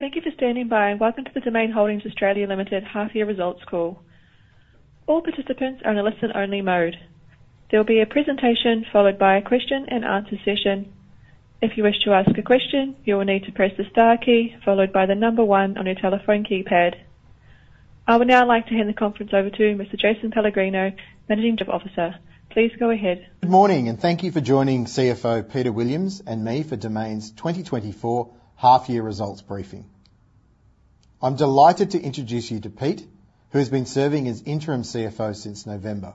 Thank you for standing by and welcome to the Domain Holdings Australia Limited half-year results call. All participants are in a listen-only mode. There will be a presentation followed by a question-and-answer session. If you wish to ask a question, you will need to press the star key followed by the number one on your telephone keypad. I would now like to hand the conference over to Mr. Jason Pellegrino, Managing Director. Please go ahead. Good morning, and thank you for joining CFO Peter Williams and me for Domain's 2024 half-year results briefing. I'm delighted to introduce you to Pete, who has been serving as interim CFO since November,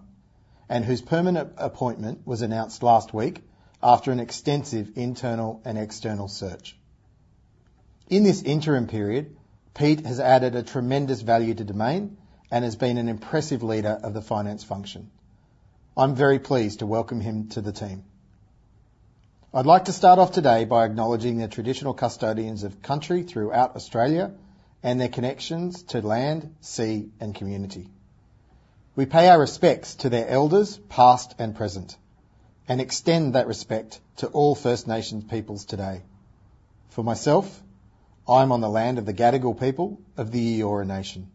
and whose permanent appointment was announced last week after an extensive internal and external search. In this interim period, Pete has added a tremendous value to Domain and has been an impressive leader of the finance function. I'm very pleased to welcome him to the team. I'd like to start off today by acknowledging their traditional custodians of country throughout Australia and their connections to land, sea, and community. We pay our respects to their elders, past and present, and extend that respect to all First Nations peoples today. For myself, I'm on the land of the Gadigal people of the Eora Nation.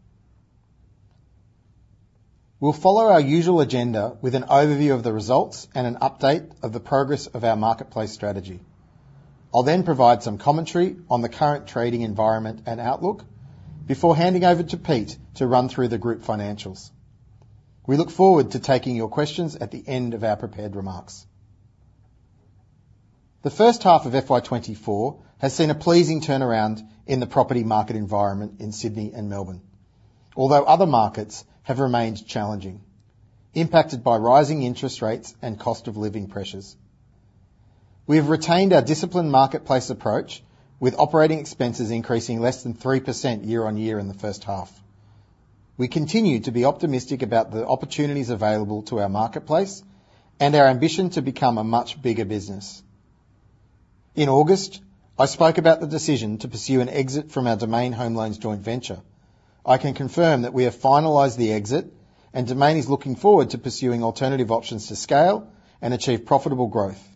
We'll follow our usual agenda with an overview of the results and an update of the progress of our marketplace strategy. I'll then provide some commentary on the current trading environment and outlook before handing over to Pete to run through the group financials. We look forward to taking your questions at the end of our prepared remarks. The first half of FY 2024 has seen a pleasing turnaround in the property market environment in Sydney and Melbourne, although other markets have remained challenging, impacted by rising interest rates and cost-of-living pressures. We have retained our disciplined marketplace approach, with operating expenses increasing less than 3% year-on-year in the first half. We continue to be optimistic about the opportunities available to our marketplace and our ambition to become a much bigger business. In August, I spoke about the decision to pursue an exit from our Domain Home Loans joint venture. I can confirm that we have finalized the exit, and Domain is looking forward to pursuing alternative options to scale and achieve profitable growth.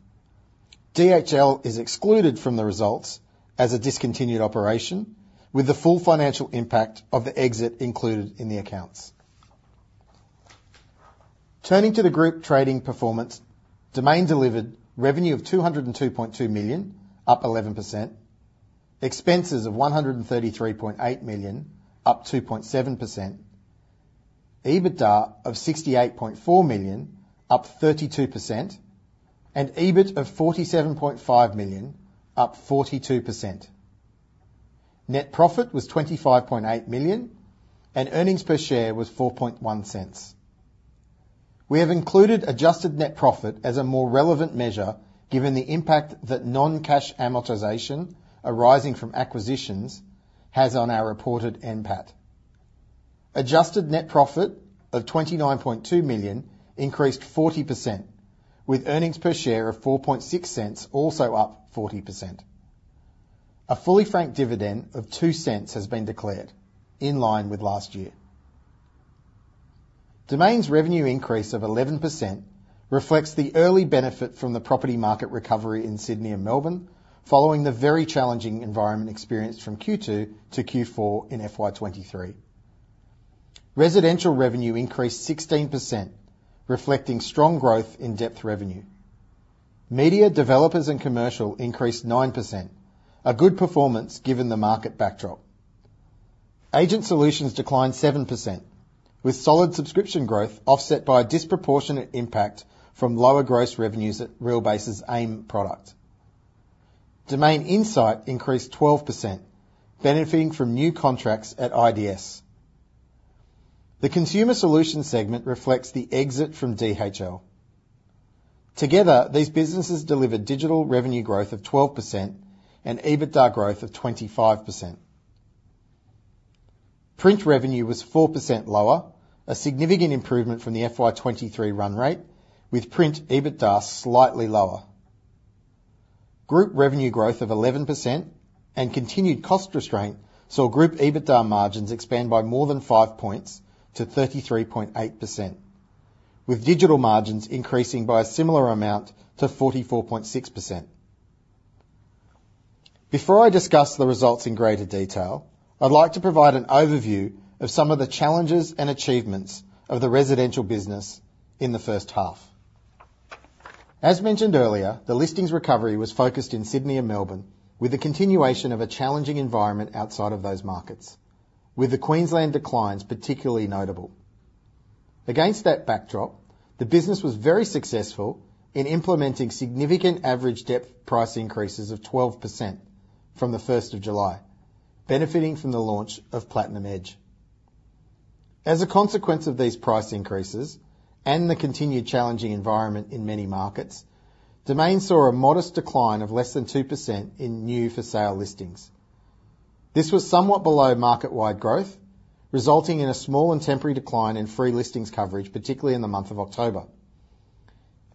DHL is excluded from the results as a discontinued operation, with the full financial impact of the exit included in the accounts. Turning to the group trading performance, Domain delivered revenue of 202.2 million, up 11%; expenses of 133.8 million, up 2.7%; EBITDA of 68.4 million, up 32%; and EBIT of 47.5 million, up 42%. Net profit was 25.8 million, and earnings per share was 0.041. We have included adjusted net profit as a more relevant measure given the impact that non-cash amortization arising from acquisitions has on our reported NPAT. Adjusted net profit of 29.2 million increased 40%, with earnings per share of 0.046 also up 40%. A fully franked dividend of 0.02 has been declared, in line with last year. Domain's revenue increase of 11% reflects the early benefit from the property market recovery in Sydney and Melbourne following the very challenging environment experienced from Q2-Q4 in FY 2023. Residential revenue increased 16%, reflecting strong growth in depth revenue. Media, Developers, and Commercial increased 9%, a good performance given the market backdrop. Agent Solutions declined 7%, with solid subscription growth offset by a disproportionate impact from lower gross revenues at Realbase's AIM product. Domain Insight increased 12%, benefiting from new contracts at IDS. The Consumer Solutions segment reflects the exit from DHL. Together, these businesses delivered digital revenue growth of 12% and EBITDA growth of 25%. Print revenue was 4% lower, a significant improvement from the FY 2023 run rate, with print EBITDA slightly lower. Group revenue growth of 11% and continued cost restraint saw group EBITDA margins expand by more than five points to 33.8%, with digital margins increasing by a similar amount to 44.6%. Before I discuss the results in greater detail, I'd like to provide an overview of some of the challenges and achievements of the Residential business in the first half. As mentioned earlier, the listings recovery was focused in Sydney and Melbourne, with the continuation of a challenging environment outside of those markets, with the Queensland declines particularly notable. Against that backdrop, the business was very successful in implementing significant average depth price increases of 12% from the 1st of July, benefiting from the launch of Platinum Edge. As a consequence of these price increases and the continued challenging environment in many markets, Domain saw a modest decline of less than 2% in new-for-sale listings. This was somewhat below market-wide growth, resulting in a small and temporary decline in free listings coverage, particularly in the month of October.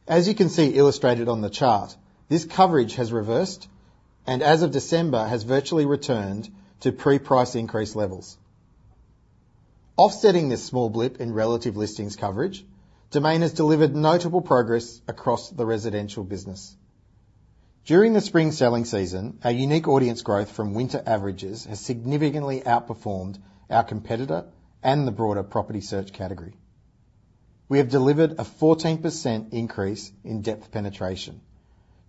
As you can see illustrated on the chart, this coverage has reversed and, as of December, has virtually returned to pre-price increase levels. Offsetting this small blip in relative listings coverage, Domain has delivered notable progress across the Residential business. During the spring selling season, our unique audience growth from winter averages has significantly outperformed our competitor and the broader property search category. We have delivered a 14% increase in depth penetration,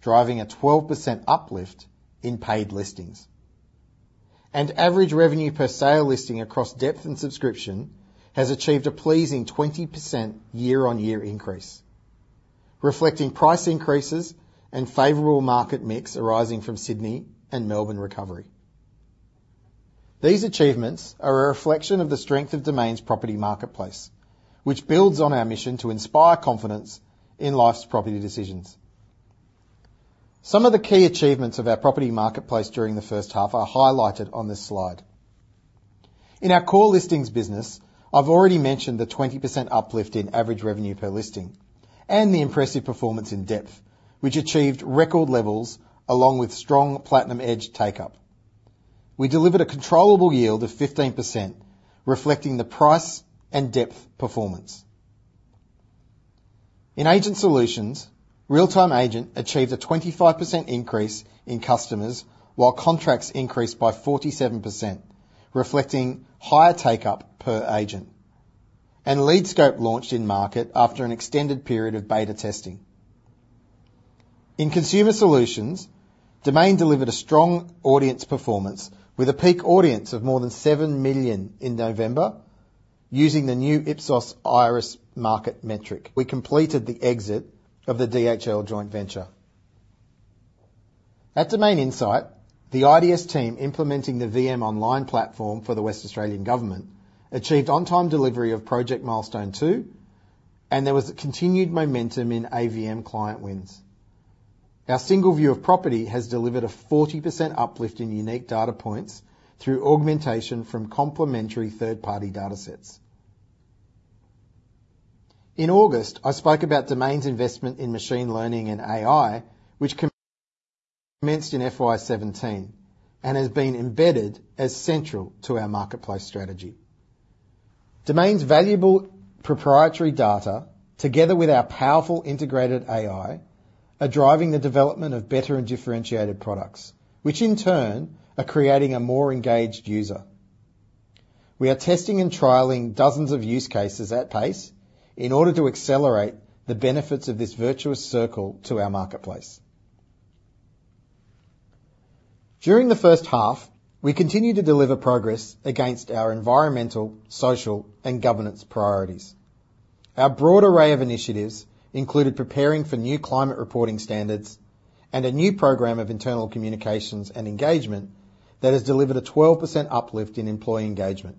driving a 12% uplift in paid listings. Average revenue per sale listing across depth and subscription has achieved a pleasing 20% year-on-year increase, reflecting price increases and favorable market mix arising from Sydney and Melbourne recovery. These achievements are a reflection of the strength of Domain's property marketplace, which builds on our mission to inspire confidence in life's property decisions. Some of the key achievements of our property marketplace during the first half are highlighted on this slide. In our Core Listings business, I've already mentioned the 20% uplift in average revenue per listing and the impressive performance in depth, which achieved record levels along with strong Platinum Edge take-up. We delivered a controllable yield of 15%, reflecting the price and depth performance. In Agent Solutions, RealTime Agent achieved a 25% increase in customers while contracts increased by 47%, reflecting higher take-up per agent, and LeadScope launched in market after an extended period of beta testing. In Consumer solutions, Domain delivered a strong audience performance with a peak audience of more than 7 million in November using the new Ipsos iris market metric. We completed the exit of the DHL joint venture. At Domain Insight, the IDS team implementing the VM Online platform for the Western Australian Government achieved on-time delivery of Project Milestone 2, and there was continued momentum in AVM client wins. Our single view of property has delivered a 40% uplift in unique data points through augmentation from complementary third-party datasets. In August, I spoke about Domain's investment in machine learning and AI, which commenced in FY 2017 and has been embedded as central to our marketplace strategy. Domain's valuable proprietary data, together with our powerful integrated AI, are driving the development of better and differentiated products, which in turn are creating a more engaged user. We are testing and trialing dozens of use cases at pace in order to accelerate the benefits of this virtuous circle to our marketplace. During the first half, we continued to deliver progress against our environmental, social, and governance priorities. Our broad array of initiatives included preparing for new climate reporting standards and a new program of internal communications and engagement that has delivered a 12% uplift in employee engagement.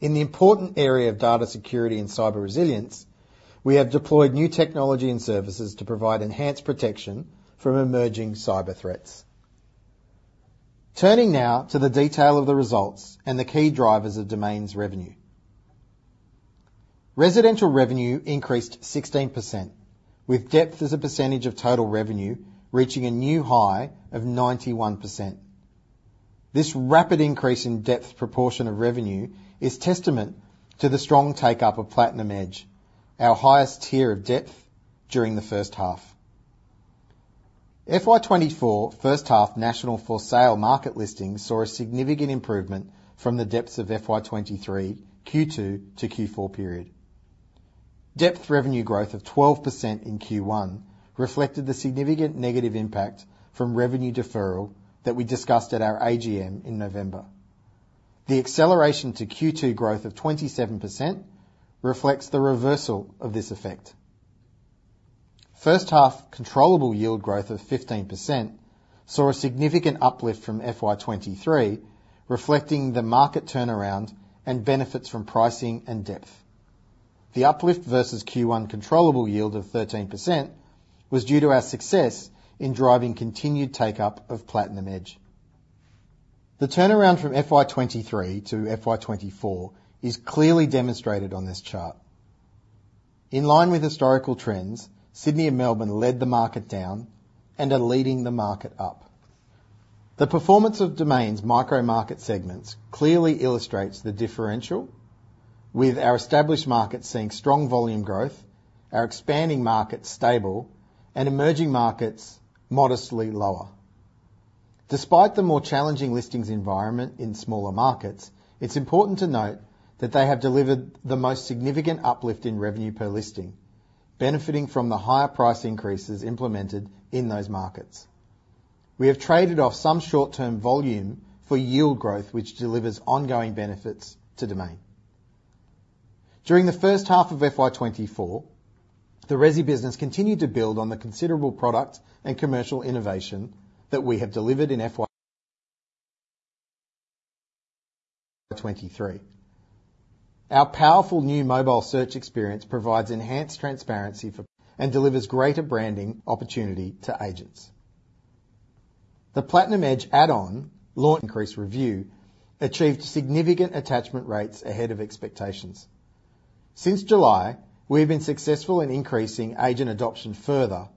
In the important area of data security and cyber resilience, we have deployed new technology and services to provide enhanced protection from emerging cyber threats. Turning now to the detail of the results and the key drivers of Domain's revenue. Residential revenue increased 16%, with depth as a percentage of total revenue reaching a new high of 91%. This rapid increase in depth proportion of revenue is testament to the strong take-up of Platinum Edge, our highest tier of depth during the first half. FY 2024 first-half national for sale market listings saw a significant improvement from the depths of FY 2023 Q2-Q4 period. Depth revenue growth of 12% in Q1 reflected the significant negative impact from revenue deferral that we discussed at our AGM in November. The acceleration to Q2 growth of 27% reflects the reversal of this effect. First-half controllable yield growth of 15% saw a significant uplift from FY 2023, reflecting the market turnaround and benefits from pricing and depth. The uplift versus Q1 controllable yield of 13% was due to our success in driving continued take-up of Platinum Edge. The turnaround from FY 2023 to FY 2024 is clearly demonstrated on this chart. In line with historical trends, Sydney and Melbourne led the market down and are leading the market up. The performance of Domain's micro-market segments clearly illustrates the differential, with our established markets seeing strong volume growth, our expanding markets stable, and emerging markets modestly lower. Despite the more challenging listings environment in smaller markets, it's important to note that they have delivered the most significant uplift in revenue per listing, benefiting from the higher price increases implemented in those markets. We have traded off some short-term volume for yield growth, which delivers ongoing benefits to Domain. During the first half of FY 2024, the Resi business continued to build on the considerable product and commercial innovation that we have delivered in FY 2023. Our powerful new mobile search experience provides enhanced transparency and delivers greater branding opportunity to agents. The Platinum Edge add-on, Launch Increase Review, achieved significant attachment rates ahead of expectations. Since July, we have been successful in increasing agent adoption further,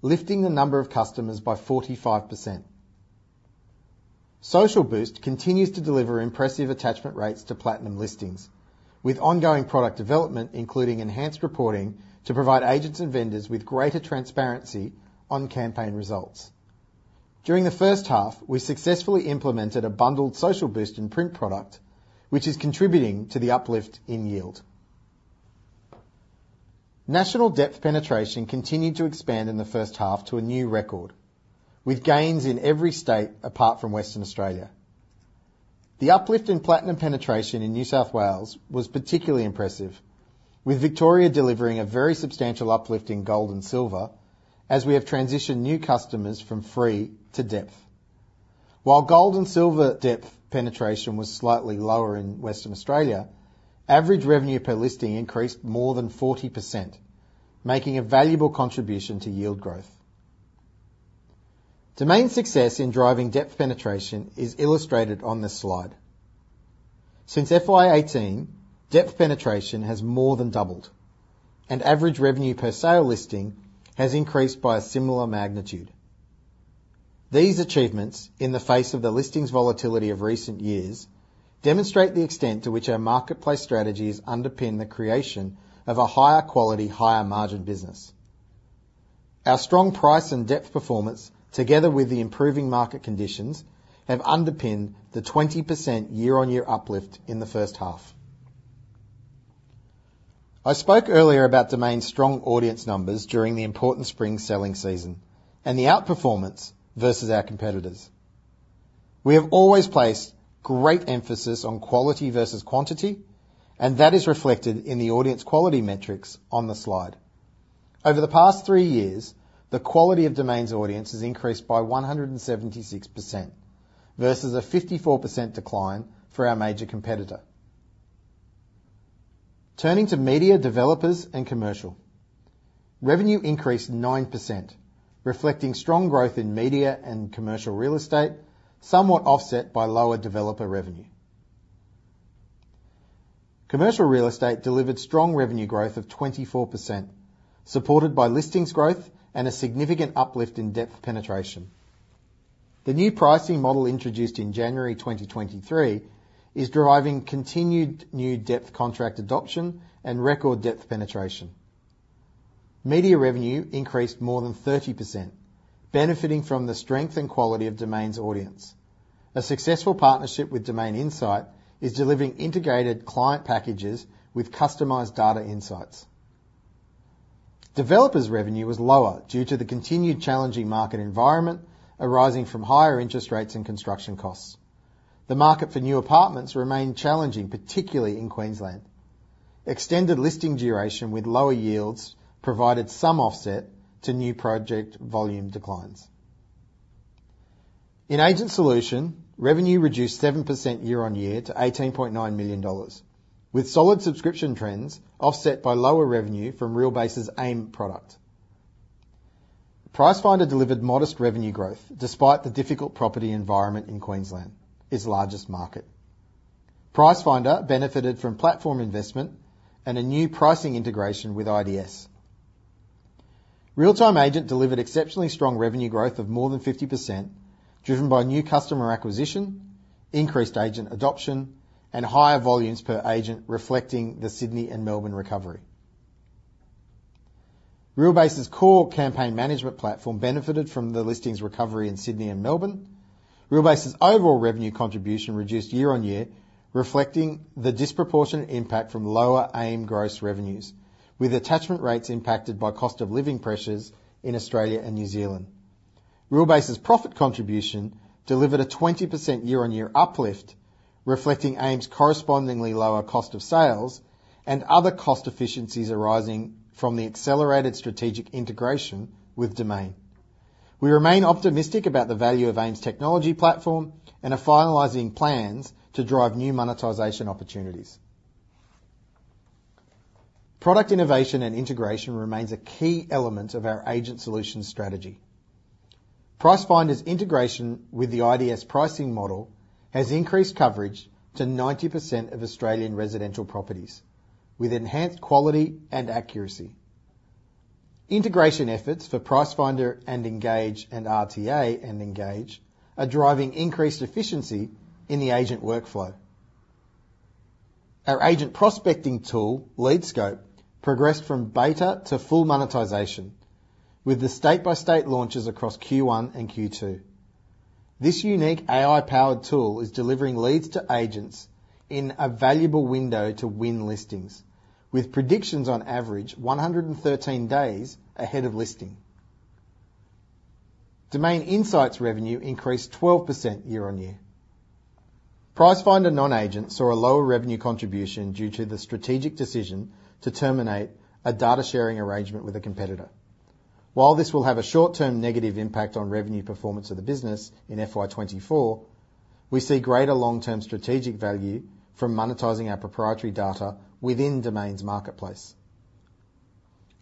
lifting the number of customers by 45%. Social Boost continues to deliver impressive attachment rates to Platinum listings, with ongoing product development including enhanced reporting to provide agents and vendors with greater transparency on campaign results. During the first half, we successfully implemented a bundled Social Boost and print product, which is contributing to the uplift in yield. National depth penetration continued to expand in the first half to a new record, with gains in every state apart from Western Australia. The uplift in Platinum penetration in New South Wales was particularly impressive, with Victoria delivering a very substantial uplift in gold and silver as we have transitioned new customers from free to depth. While gold and silver depth penetration was slightly lower in Western Australia, average revenue per listing increased more than 40%, making a valuable contribution to yield growth. Domain's success in driving depth penetration is illustrated on this slide. Since FY 2018, depth penetration has more than doubled, and average revenue per sale listing has increased by a similar magnitude. These achievements, in the face of the listings volatility of recent years, demonstrate the extent to which our marketplace strategies underpin the creation of a higher quality, higher margin business. Our strong price and depth performance, together with the improving market conditions, have underpinned the 20% year-over-year uplift in the first half. I spoke earlier about Domain's strong audience numbers during the important spring selling season and the outperformance versus our competitors. We have always placed great emphasis on quality versus quantity, and that is reflected in the audience quality metrics on the slide. Over the past three years, the quality of Domain's audience has increased by 176% versus a 54% decline for our major competitor. Turning to Media, Developers, and Commercial, revenue increased 9%, reflecting strong growth in Media and Commercial Real Estate, somewhat offset by lower developer revenue. Commercial real estate delivered strong revenue growth of 24%, supported by listings growth and a significant uplift in depth penetration. The new pricing model introduced in January 2023 is driving continued new depth contract adoption and record depth penetration. Media revenue increased more than 30%, benefiting from the strength and quality of Domain's audience. A successful partnership with Domain Insight is delivering integrated client packages with customized data insights. Developers' revenue was lower due to the continued challenging market environment arising from higher interest rates and construction costs. The market for new apartments remained challenging, particularly in Queensland. Extended listing duration with lower yields provided some offset to new project volume declines. In agent solution, revenue reduced 7% year-on-year to 18.9 million dollars, with solid subscription trends offset by lower revenue from Realbase's AIM product. Pricefinder delivered modest revenue growth despite the difficult property environment in Queensland, its largest market. Pricefinder benefited from platform investment and a new pricing integration with IDS. RealTime Agent delivered exceptionally strong revenue growth of more than 50%, driven by new customer acquisition, increased agent adoption, and higher volumes per agent, reflecting the Sydney and Melbourne recovery. Realbase's core campaign management platform benefited from the listings recovery in Sydney and Melbourne. Realbase's overall revenue contribution reduced year-on-year, reflecting the disproportionate impact from lower AIM gross revenues, with attachment rates impacted by cost of living pressures in Australia and New Zealand. Realbase's profit contribution delivered a 20% year-on-year uplift, reflecting AIM's correspondingly lower cost of sales and other cost efficiencies arising from the accelerated strategic integration with Domain. We remain optimistic about the value of AIM's technology platform and are finalizing plans to drive new monetization opportunities. Product innovation and integration remains a key element of our Agent Solutions strategy. Pricefinder's integration with the IDS pricing model has increased coverage to 90% of Australian residential properties, with enhanced quality and accuracy. Integration efforts for Pricefinder and Engage and RTA and Engage are driving increased efficiency in the agent workflow. Our agent prospecting tool, LeadScope, progressed from beta to full monetization, with the state-by-state launches across Q1 and Q2. This unique AI-powered tool is delivering leads to agents in a valuable window to win listings, with predictions on average 113 days ahead of listing. Domain Insight's revenue increased 12% year-over-year. Pricefinder Non-Agents saw a lower revenue contribution due to the strategic decision to terminate a data-sharing arrangement with a competitor. While this will have a short-term negative impact on revenue performance of the business in FY 2024, we see greater long-term strategic value from monetizing our proprietary data within Domain's marketplace.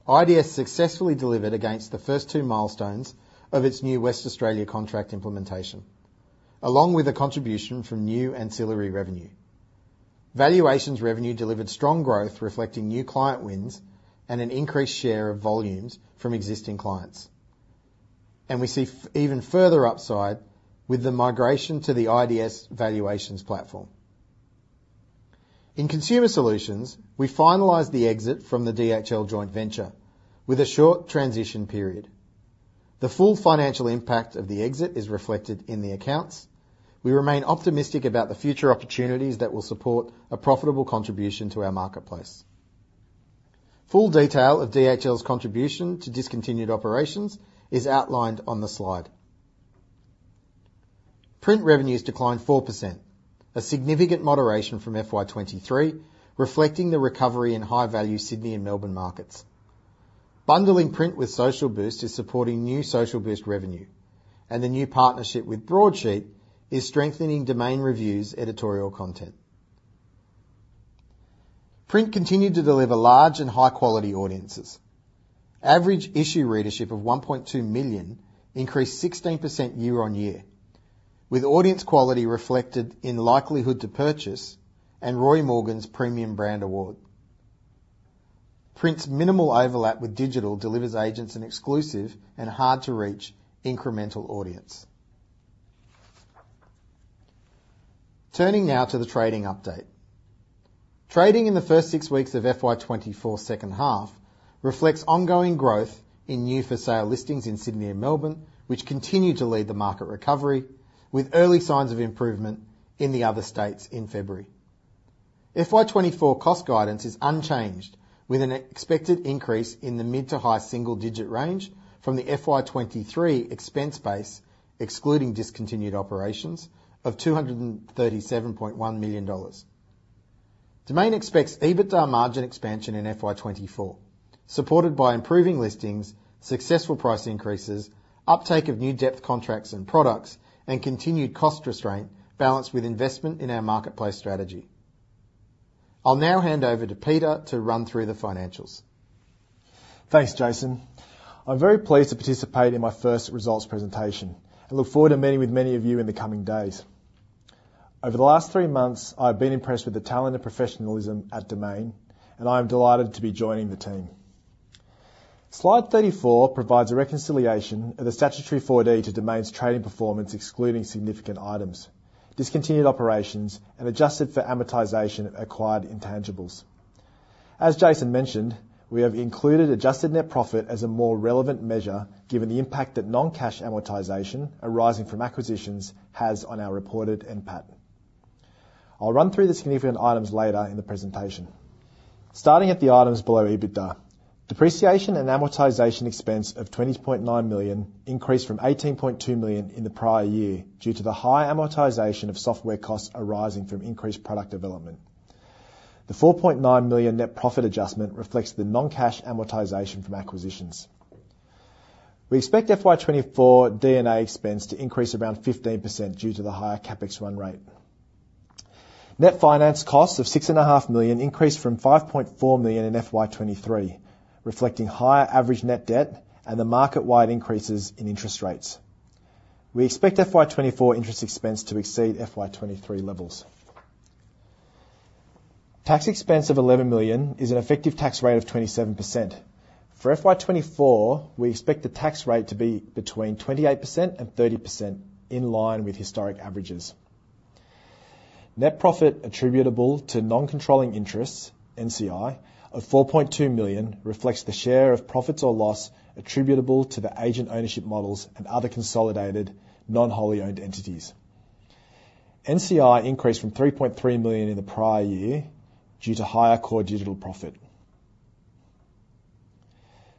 IDS successfully delivered against the first two milestones of its new Western Australia contract implementation, along with a contribution from new ancillary revenue. Valuations revenue delivered strong growth, reflecting new client wins and an increased share of volumes from existing clients. We see even further upside with the migration to the IDS valuations platform. In Consumer Solutions, we finalized the exit from the DHL joint venture with a short transition period. The full financial impact of the exit is reflected in the accounts. We remain optimistic about the future opportunities that will support a profitable contribution to our marketplace. Full detail of DHL's contribution to discontinued operations is outlined on the slide. Print revenues declined 4%, a significant moderation from FY 2023, reflecting the recovery in high-value Sydney and Melbourne markets. Bundling print with Social Boost is supporting new Social Boost revenue, and the new partnership with Broadsheet is strengthening Domain Review's editorial content. Print continued to deliver large and high-quality audiences. Average issue readership of 1.2 million increased 16% year-on-year, with audience quality reflected in likelihood to purchase and Roy Morgan's Premium Brand Award. Print's minimal overlap with digital delivers agents an exclusive and hard-to-reach incremental audience. Turning now to the trading update. Trading in the first six weeks of FY 2024 second-half reflects ongoing growth in new for sale listings in Sydney and Melbourne, which continue to lead the market recovery, with early signs of improvement in the other states in February. FY 2024 cost guidance is unchanged, with an expected increase in the mid to high single-digit range from the FY 2023 expense base, excluding discontinued operations, of 237.1 million dollars. Domain expects EBITDA margin expansion in FY 2024, supported by improving listings, successful price increases, uptake of new depth contracts and products, and continued cost restraint balanced with investment in our marketplace strategy. I'll now hand over to Peter to run through the financials. Thanks, Jason. I'm very pleased to participate in my first results presentation and look forward to meeting with many of you in the coming days. Over the last three months, I have been impressed with the talent and professionalism at Domain, and I am delighted to be joining the team. Slide 34 provides a reconciliation of the statutory 4D to Domain's trading performance, excluding significant items, discontinued operations, and adjusted for amortization of acquired intangibles. As Jason mentioned, we have included adjusted net profit as a more relevant measure given the impact that non-cash amortization arising from acquisitions has on our reported NPAT. I'll run through the significant items later in the presentation. Starting at the items below EBITDA, depreciation and amortization expense of 20.9 million increased from 18.2 million in the prior year due to the high amortization of software costs arising from increased product development. The 4.9 million net profit adjustment reflects the non-cash amortization from acquisitions. We expect FY 2024 D&A expense to increase around 15% due to the higher CapEx run rate. Net finance costs of 6.5 million increased from 5.4 million in FY 2023, reflecting higher average net debt and the market-wide increases in interest rates. We expect FY 2024 interest expense to exceed FY 2023 levels. Tax expense of 11 million is an effective tax rate of 27%. For FY 2024, we expect the tax rate to be between 28%-30%, in line with historic averages. Net profit attributable to non-controlling interests, NCI, of 4.2 million reflects the share of profits or loss attributable to the agent ownership models and other consolidated non-wholly-owned entities. NCI increased from 3.3 million in the prior year due to higher core digital profit.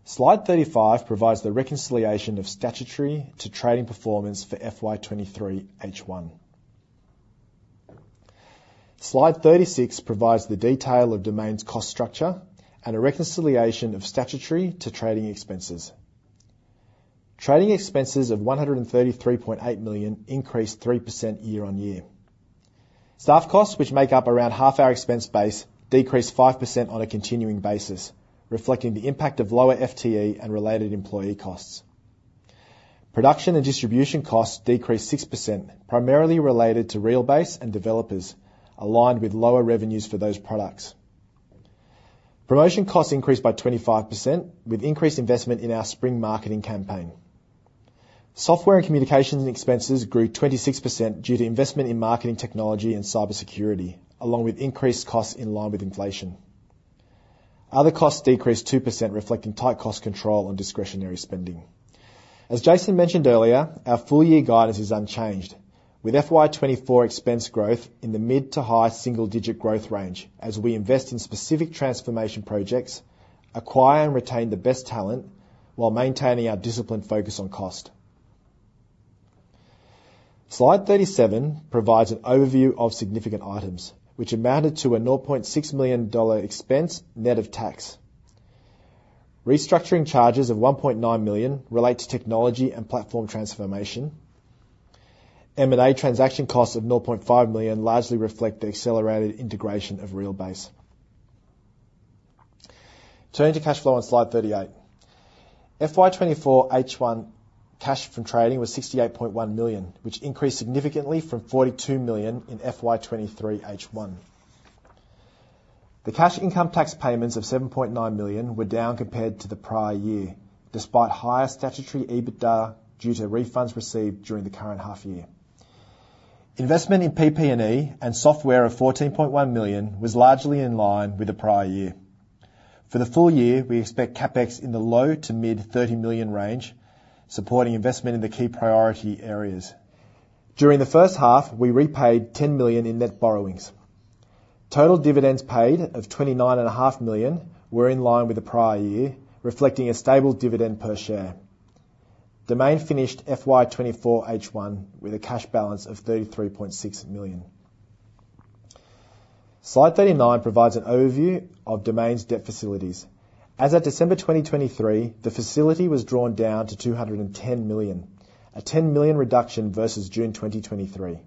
Slide 35 provides the reconciliation of statutory to trading performance for FY 2023 H1. Slide 36 provides the detail of Domain's cost structure and a reconciliation of statutory to trading expenses. Trading expenses of 133.8 million increased 3% year-on-year. Staff costs, which make up around half our expense base, decreased 5% on a continuing basis, reflecting the impact of lower FTE and related employee costs. Production and distribution costs decreased 6%, primarily related to Realbase and developers, aligned with lower revenues for those products. Promotion costs increased by 25% with increased investment in our spring marketing campaign. Software and communications expenses grew 26% due to investment in marketing technology and cybersecurity, along with increased costs in line with inflation. Other costs decreased 2%, reflecting tight cost control on discretionary spending. As Jason mentioned earlier, our full-year guidance is unchanged, with FY 2024 expense growth in the mid to high single-digit growth range as we invest in specific transformation projects, acquire and retain the best talent, while maintaining our disciplined focus on cost. Slide 37 provides an overview of significant items, which amounted to a 0.6 million dollar expense net of tax. Restructuring charges of 1.9 million relate to technology and platform transformation. M&A transaction costs of 0.5 million largely reflect the accelerated integration of Realbase. Turning to cash flow on slide 38, FY 2024 H1 cash from trading was 68.1 million, which increased significantly from 42 million in FY 2023 H1. The cash income tax payments of 7.9 million were down compared to the prior year, despite higher statutory EBITDA due to refunds received during the current half-year. Investment in PP&E and software of 14.1 million was largely in line with the prior year. For the full year, we expect CapEx in the low- to mid-AUD 30 million range, supporting investment in the key priority areas. During the first half, we repaid 10 million in net borrowings. Total dividends paid of 29.5 million were in line with the prior year, reflecting a stable dividend per share. Domain finished FY 2024 H1 with a cash balance of 33.6 million. Slide 39 provides an overview of Domain's debt facilities. As of December 2023, the facility was drawn down to 210 million, a 10 million reduction versus June 2023.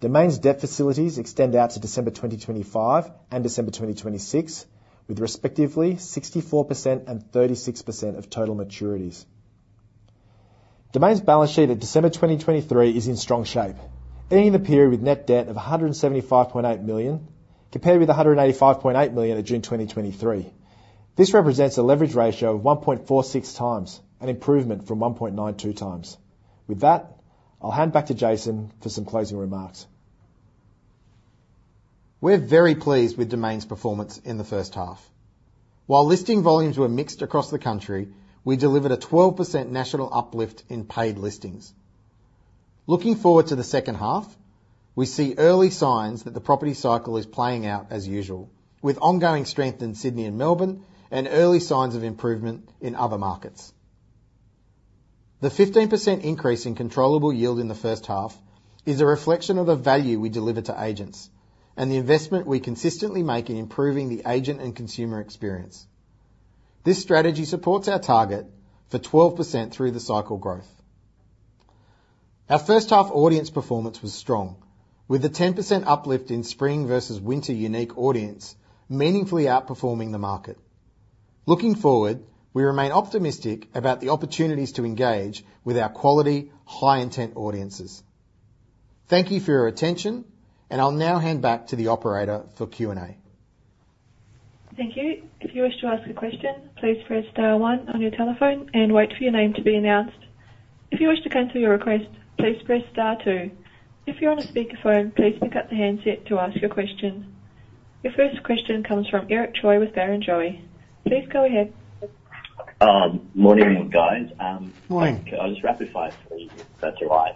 Domain's debt facilities extend out to December 2025 and December 2026, with respectively 64% and 36% of total maturities. Domain's balance sheet of December 2023 is in strong shape, ending the period with net debt of 175.8 million compared with 185.8 million in June 2023. This represents a leverage ratio of 1.46x, an improvement from 1.92x. With that, I'll hand back to Jason for some closing remarks. We're very pleased with Domain's performance in the first half. While listing volumes were mixed across the country, we delivered a 12% national uplift in paid listings. Looking forward to the second half, we see early signs that the property cycle is playing out as usual, with ongoing strength in Sydney and Melbourne and early signs of improvement in other markets. The 15% increase in controllable yield in the first half is a reflection of the value we deliver to agents and the investment we consistently make in improving the agent and consumer experience. This strategy supports our target for 12% through the cycle growth. Our first-half audience performance was strong, with the 10% uplift in spring versus winter unique audience meaningfully outperforming the market. Looking forward, we remain optimistic about the opportunities to engage with our quality, high-intent audiences. Thank you for your attention, and I'll now hand back to the operator for Q&A. Thank you. If you wish to ask a question, please press star one on your telephone and wait for your name to be announced. If you wish to cancel your request, please press star one. If you're on a speakerphone, please pick up the handset to ask your question. Your first question comes from Eric Choi with Barrenjoey. Please go ahead. Morning, guys. Morning. I'll just rapid-fire for you if that's all right.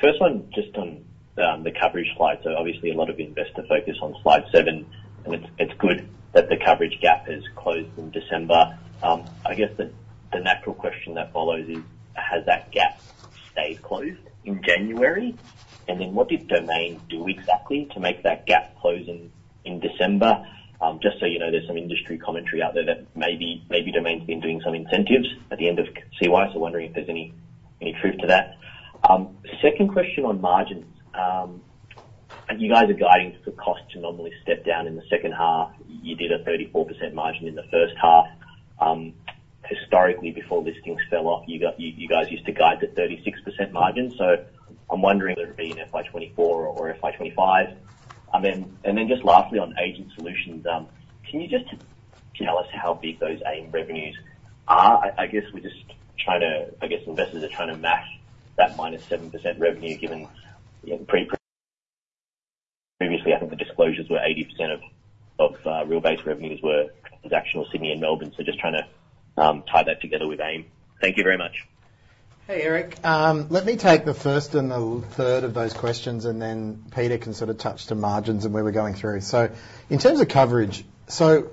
First one, just on the coverage slide. So obviously, a lot of investor focus on slide seven, and it's good that the coverage gap has closed in December. I guess the natural question that follows is, has that gap stayed closed in January? And then what did Domain do exactly to make that gap close in December? Just so you know, there's some industry commentary out there that maybe Domain's been doing some incentives at the end of CY, so wondering if there's any proof to that. Second question on margins. You guys are guiding for costs to normally step down in the second half. You did a 34% margin in the first half. Historically, before listings fell off, you guys used to guide to 36% margins. So I'm wondering. It be in FY 2024 or FY 2025. Then just lastly, on Agent Solutions, can you just tell us how big those AIM revenues are? I guess we're just trying to—I guess investors are trying to match that -7% revenue given previously. I think the disclosures were 80% of Realbase revenues were transactional Sydney and Melbourne. So just trying to tie that together with AIM. Thank you very much. Hey, Eric. Let me take the first and the third of those questions, and then Peter can sort of touch to margins and where we're going through. So in terms of coverage, so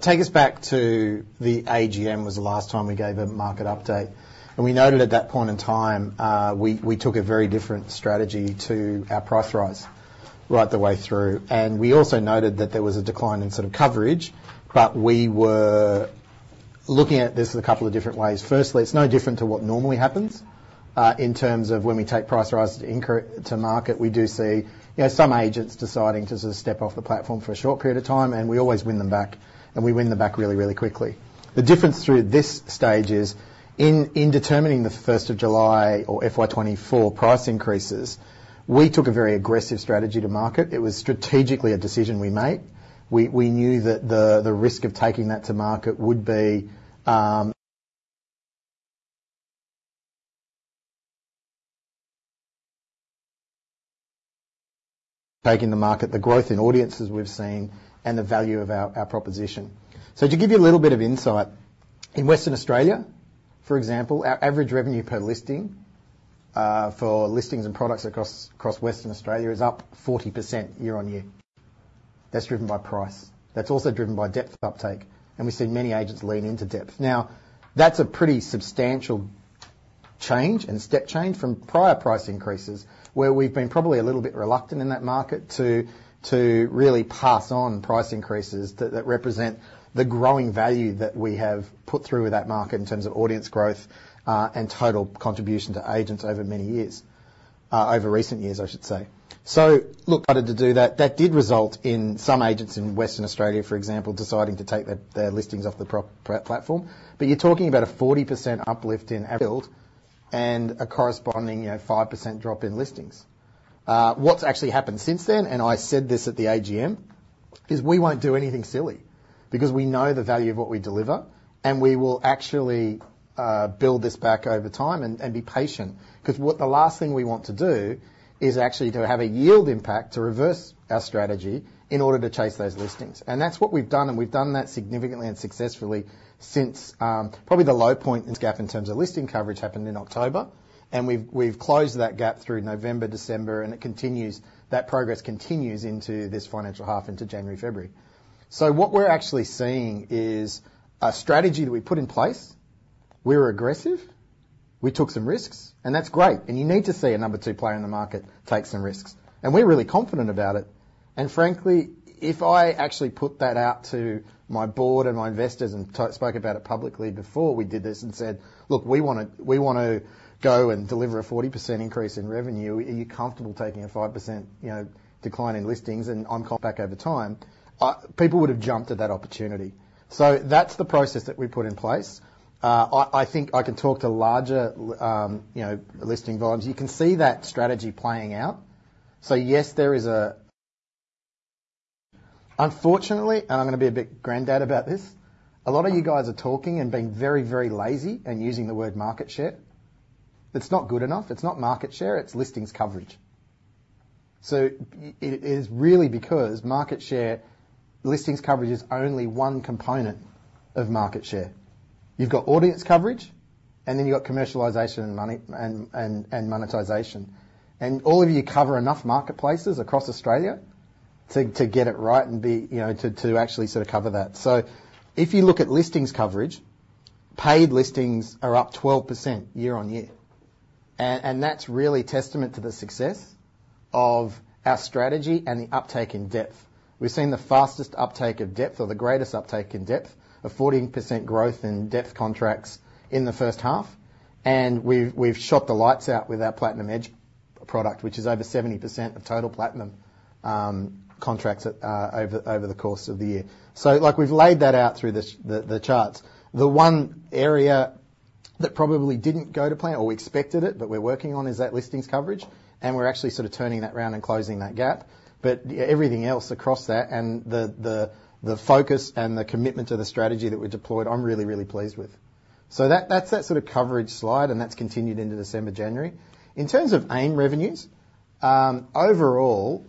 take us back to the AGM was the last time we gave a market update. And we noted at that point in time, we took a very different strategy to our price rise right the way through. And we also noted that there was a decline in sort of coverage, but we were looking at this a couple of different ways. Firstly, it's no different to what normally happens. In terms of when we take price rise to market, we do see some agents deciding to sort of step off the platform for a short period of time, and we always win them back. And we win them back really, really quickly. The difference through this stage is in determining the 1st of July or FY 2024 price increases, we took a very aggressive strategy to market. It was strategically a decision we made. We knew that the risk of taking that to market would be taking the market, the growth in audiences we've seen, and the value of our proposition. So to give you a little bit of insight, in Western Australia, for example, our average revenue per listing for listings and products across Western Australia is up 40% year-on-year. That's driven by price. That's also driven by depth uptake. And we've seen many agents lean into depth. Now, that's a pretty substantial change and step change from prior price increases, where we've been probably a little bit reluctant in that market to really pass on price increases that represent the growing value that we have put through with that market in terms of audience growth and total contribution to agents over many years over recent years, I should say. So look, started to do that. That did result in some agents in Western Australia, for example, deciding to take their listings off the platform. But you're talking about a 40% uplift in yield and a corresponding 5% drop in listings. What's actually happened since then, and I said this at the AGM, is we won't do anything silly because we know the value of what we deliver, and we will actually build this back over time and be patient. Because the last thing we want to do is actually to have a yield impact to reverse our strategy in order to chase those listings. And that's what we've done, and we've done that significantly and successfully since probably the low point. The gap in terms of listing coverage happened in October, and we've closed that gap through November, December, and that progress continues into this financial half, into January, February. So what we're actually seeing is a strategy that we put in place. We were aggressive. We took some risks, and that's great. And you need to see a number two player in the market take some risks. And we're really confident about it. And frankly, if I actually put that out to my board and my investors and spoke about it publicly before we did this and said, "Look, we want to go and deliver a 40% increase in revenue. Are you comfortable taking a 5% decline in listings, and I'm back over time?" People would have jumped at that opportunity. So that's the process that we put in place. I think I can talk to larger listing volumes. You can see that strategy playing out. So yes, there is, unfortunately, and I'm going to be a bit granddad about this, a lot of you guys are talking and being very, very lazy and using the word market share. It's not good enough. It's not market share. It's listings coverage. So it is really because market share listings coverage is only one component of market share. You've got audience coverage, and then you've got commercialization and monetization. And all of you cover enough marketplaces across Australia to get it right and be able to actually sort of cover that. So if you look at listings coverage, paid listings are up 12% year-on-year. And that's really testament to the success of our strategy and the uptake in depth. We've seen the fastest uptake of depth or the greatest uptake in depth, a 14% growth in depth contracts in the first half. And we've shot the lights out with our Platinum Edge product, which is over 70% of total Platinum contracts over the course of the year. So we've laid that out through the charts. The one area that probably didn't go to plan or we expected it, but we're working on, is that listings coverage. And we're actually sort of turning that around and closing that gap. But everything else across that and the focus and the commitment to the strategy that we deployed, I'm really, really pleased with. So that's that sort of coverage slide, and that's continued into December, January. In terms of AIM revenues, overall,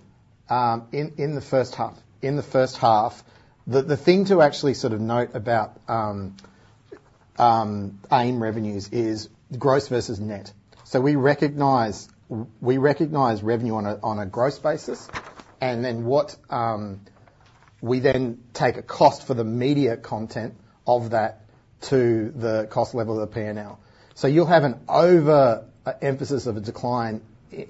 in the first half, the thing to actually sort of note about AIM revenues is gross versus net. So we recognize revenue on a gross basis, and then we take a cost for the media content of that to the cost level of the P&L. So you'll have an overemphasis of a decline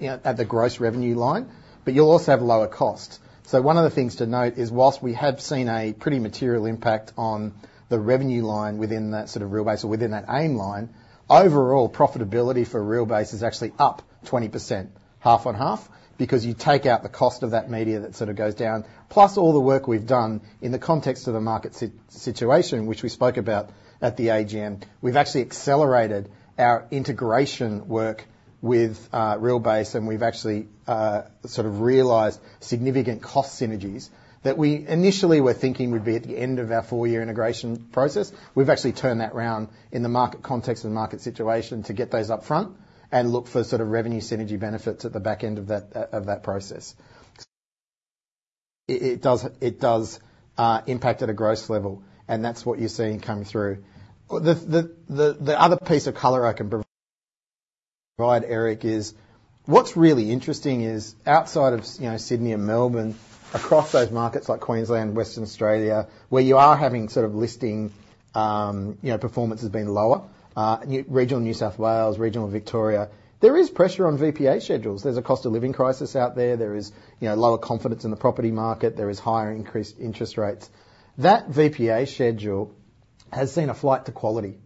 at the gross revenue line, but you'll also have lower costs. So one of the things to note is while we have seen a pretty material impact on the revenue line within that sort of Realbase or within that AIM line, overall profitability for Realbase is actually up 20% half on half because you take out the cost of that media that sort of goes down. Plus all the work we've done in the context of the market situation, which we spoke about at the AGM, we've actually accelerated our integration work with Realbase, and we've actually sort of realized significant cost synergies that we initially were thinking would be at the end of our four-year integration process. We've actually turned that around in the market context and market situation to get those upfront and look for sort of revenue synergy benefits at the back end of that process. It does impact at a gross level, and that's what you're seeing come through. The other piece of color I can provide, Eric, is what's really interesting is outside of Sydney and Melbourne, across those markets like Queensland, Western Australia, where you are having sort of listing performance has been lower regional New South Wales, regional Victoria, there is pressure on VPA schedules. There's a cost of living crisis out there. There is lower confidence in the property market. There is higher increased interest rates. That VPA schedule has seen a flight to quality.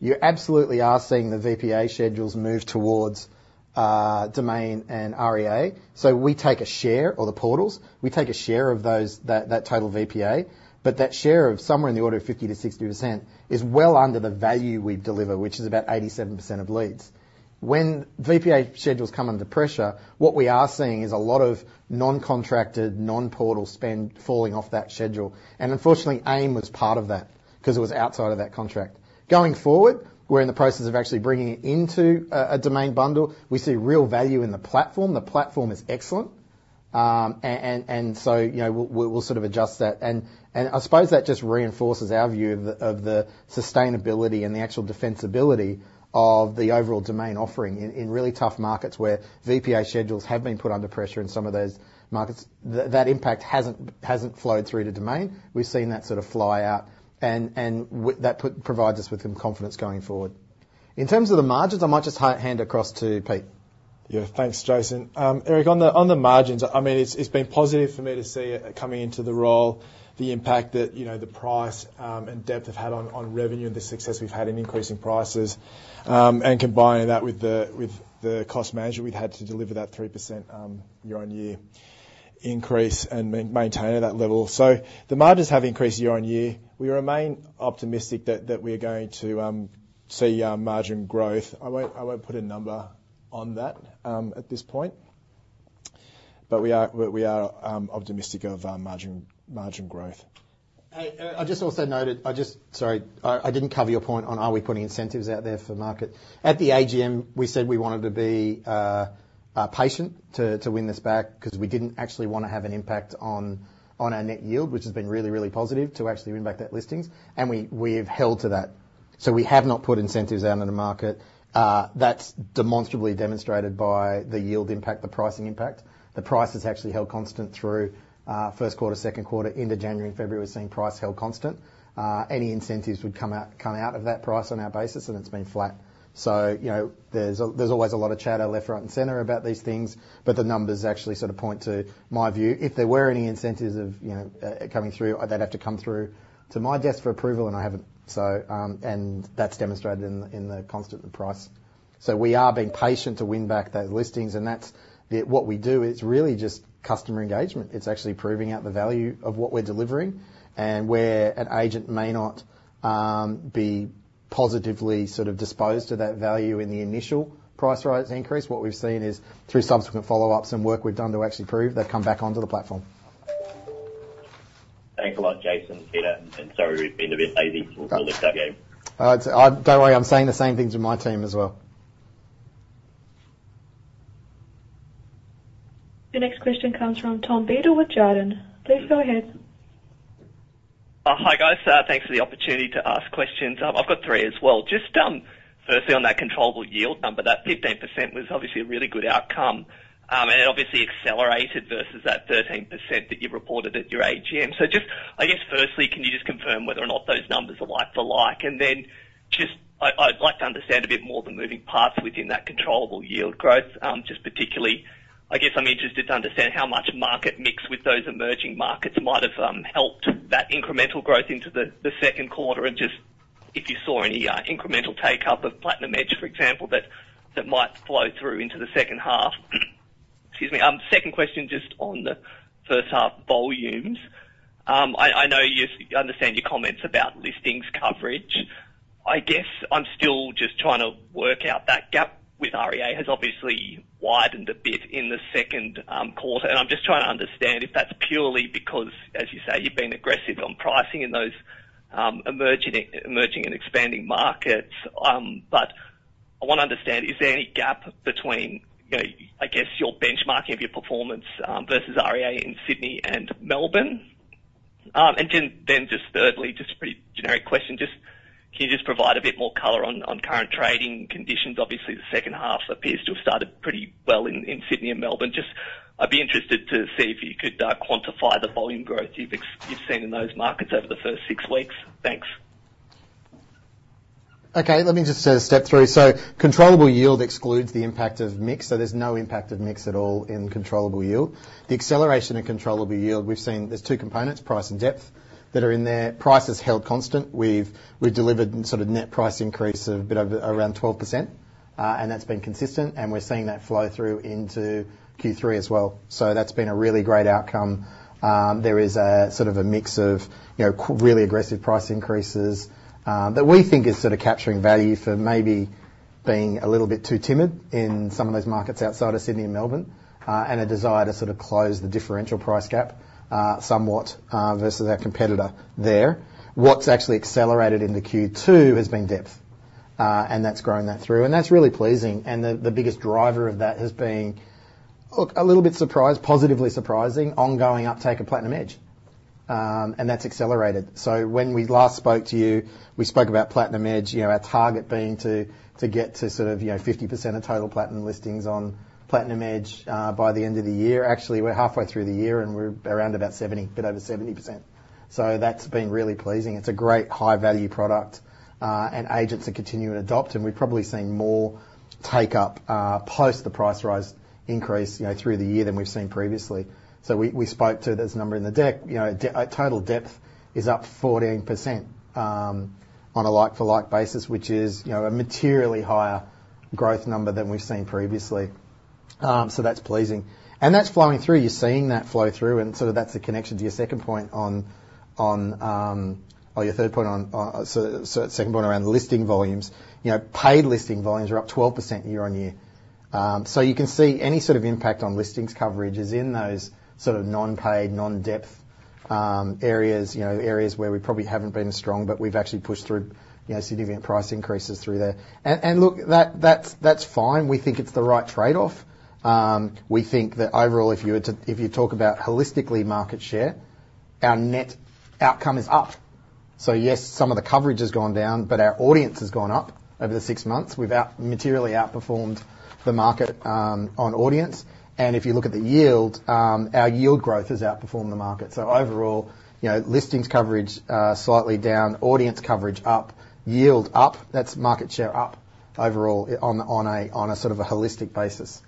You absolutely are seeing the VPA schedules move towards Domain and REA. So we take a share or the portals, we take a share of that total VPA, but that share of somewhere in the order of 50%-60% is well under the value we deliver, which is about 87% of leads. When VPA schedules come under pressure, what we are seeing is a lot of non-contracted, non-portal spend falling off that schedule. And unfortunately, AIM was part of that because it was outside of that contract. Going forward, we're in the process of actually bringing it into a Domain bundle. We see real value in the platform. The platform is excellent. And so we'll sort of adjust that. And I suppose that just reinforces our view of the sustainability and the actual defensibility of the overall Domain offering in really tough markets where VPA schedules have been put under pressure in some of those markets. That impact hasn't flowed through to Domain. We've seen that sort of fly out, and that provides us with some confidence going forward. In terms of the margins, I might just hand across to Pete. Yeah. Thanks, Jason. Eric, on the margins, I mean, it's been positive for me to see it coming into the role, the impact that the price and depth have had on revenue and the success we've had in increasing prices. Combining that with the cost management, we've had to deliver that 3% year-on-year increase and maintain at that level. The margins have increased year-on-year. We remain optimistic that we are going to see margin growth. I won't put a number on that at this point, but we are optimistic of margin growth. Hey, Eric, I just also noted, sorry, I didn't cover your point on, are we putting incentives out there for market? At the AGM, we said we wanted to be patient to win this back because we didn't actually want to have an impact on our net yield, which has been really, really positive to actually win back that listings. And we've held to that. So we have not put incentives out into market. That's demonstrably demonstrated by the yield impact, the pricing impact. The price has actually held constant through first quarter, second quarter. End of January, February, we're seeing price held constant. Any incentives would come out of that price on our basis, and it's been flat. So there's always a lot of chatter left, right, and center about these things, but the numbers actually sort of point to my view. If there were any incentives coming through, they'd have to come through to my desk for approval, and I haven't. That's demonstrated in the constant price. So we are being patient to win back those listings. What we do, it's really just customer engagement. It's actually proving out the value of what we're delivering. Where an agent may not be positively sort of disposed to that value in the initial price rise increase, what we've seen is through subsequent follow-ups and work we've done to actually prove, they've come back onto the platform. Thanks a lot, Jason, Peter. Sorry, we've been a bit lazy. We'll lift our game. Don't worry. I'm saying the same things with my team as well. The next question comes from Tom Beadle with Jarden. Please go ahead. Hi, guys. Thanks for the opportunity to ask questions. I've got three as well. Just firstly, on that controllable yield number, that 15% was obviously a really good outcome. And it obviously accelerated versus that 13% that you reported at your AGM. So just, I guess, firstly, can you just confirm whether or not those numbers are like for like? And then just I'd like to understand a bit more the moving parts within that controllable yield growth, just particularly. I guess I'm interested to understand how much market mix with those emerging markets might have helped that incremental growth into the second quarter and just if you saw any incremental take-up of Platinum Edge, for example, that might flow through into the second half. Excuse me. Second question just on the first half volumes. I know you understand your comments about listings coverage. I guess I'm still just trying to work out that gap with REA has obviously widened a bit in the second quarter. I'm just trying to understand if that's purely because, as you say, you've been aggressive on pricing in those emerging and expanding markets. But I want to understand, is there any gap between, I guess, your benchmarking of your performance versus REA in Sydney and Melbourne? Then just thirdly, just a pretty generic question, can you just provide a bit more color on current trading conditions? Obviously, the second half appears to have started pretty well in Sydney and Melbourne. Just I'd be interested to see if you could quantify the volume growth you've seen in those markets over the first six weeks. Thanks. Okay. Let me just step through. So controllable yield excludes the impact of mix. So there's no impact of mix at all in controllable yield. The acceleration in controllable yield we've seen; there's two components, price and depth, that are in there. Price has held constant. We've delivered sort of net price increase of around 12%, and that's been consistent. And we're seeing that flow through into Q3 as well. So that's been a really great outcome. There is sort of a mix of really aggressive price increases that we think is sort of capturing value for maybe being a little bit too timid in some of those markets outside of Sydney and Melbourne and a desire to sort of close the differential price gap somewhat versus our competitor there. What's actually accelerated in the Q2 has been depth, and that's grown that through. And that's really pleasing. The biggest driver of that has been, look, a little bit surprised, positively surprising, ongoing uptake of Platinum Edge. And that's accelerated. So when we last spoke to you, we spoke about Platinum Edge, our target being to get to sort of 50% of total Platinum listings on Platinum Edge by the end of the year. Actually, we're halfway through the year, and we're around about 70%, a bit over 70%. So that's been really pleasing. It's a great high-value product, and agents are continuing to adopt. And we've probably seen more take-up post the price rise increase through the year than we've seen previously. So we spoke to there's a number in the deck. Total depth is up 14% on a like-for-like basis, which is a materially higher growth number than we've seen previously. So that's pleasing. And that's flowing through. You're seeing that flow through. And sort of that's the connection to your second point on, oh, your third point on second point around listing volumes. Paid listing volumes are up 12% year-on-year. So you can see any sort of impact on listings coverage is in those sort of non-paid, non-depth areas, areas where we probably haven't been as strong, but we've actually pushed through significant price increases through there. And look, that's fine. We think it's the right trade-off. We think that overall, if you talk about holistically market share, our net outcome is up. So yes, some of the coverage has gone down, but our audience has gone up over the six months. We've materially outperformed the market on audience. And if you look at the yield, our yield growth has outperformed the market. So overall, listings coverage slightly down, audience coverage up, yield up. That's market share up overall on a sort of a holistic basis.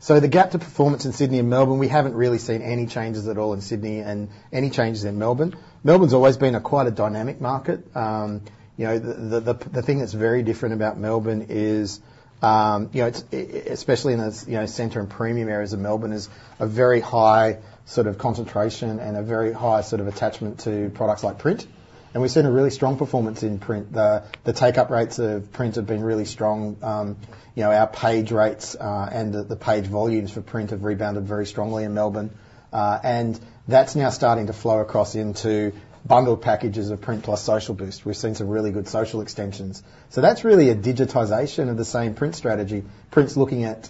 So the gap to performance in Sydney and Melbourne, we haven't really seen any changes at all in Sydney and any changes in Melbourne. Melbourne's always been quite a dynamic market. The thing that's very different about Melbourne is, especially in the center and premium areas of Melbourne, is a very high sort of concentration and a very high sort of attachment to products like print. And we've seen a really strong performance in print. The take-up rates of print have been really strong. Our page rates and the page volumes for print have rebounded very strongly in Melbourne. And that's now starting to flow across into bundled packages of print plus Social Boost. We've seen some really good social extensions. So that's really a digitization of the same print strategy. Print's looking at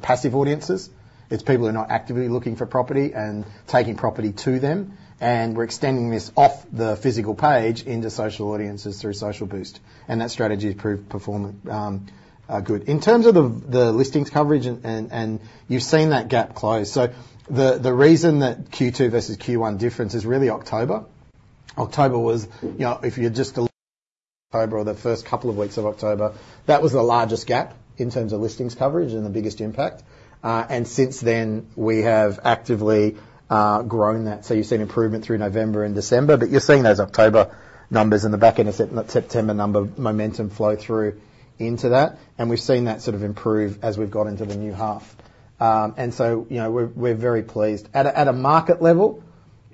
passive audiences. It's people who are not actively looking for property and taking property to them. We're extending this off the physical page into social audiences through Social Boost. That strategy has proved good. In terms of the listings coverage, you've seen that gap close. The reason that Q2 versus Q1 difference is really October. October was, if you're just October or the first couple of weeks of October, that was the largest gap in terms of listings coverage and the biggest impact. Since then, we have actively grown that. You've seen improvement through November and December, but you're seeing those October numbers in the back end. It's that September number momentum flow through into that. We've seen that sort of improve as we've got into the new half. We're very pleased. At a market level,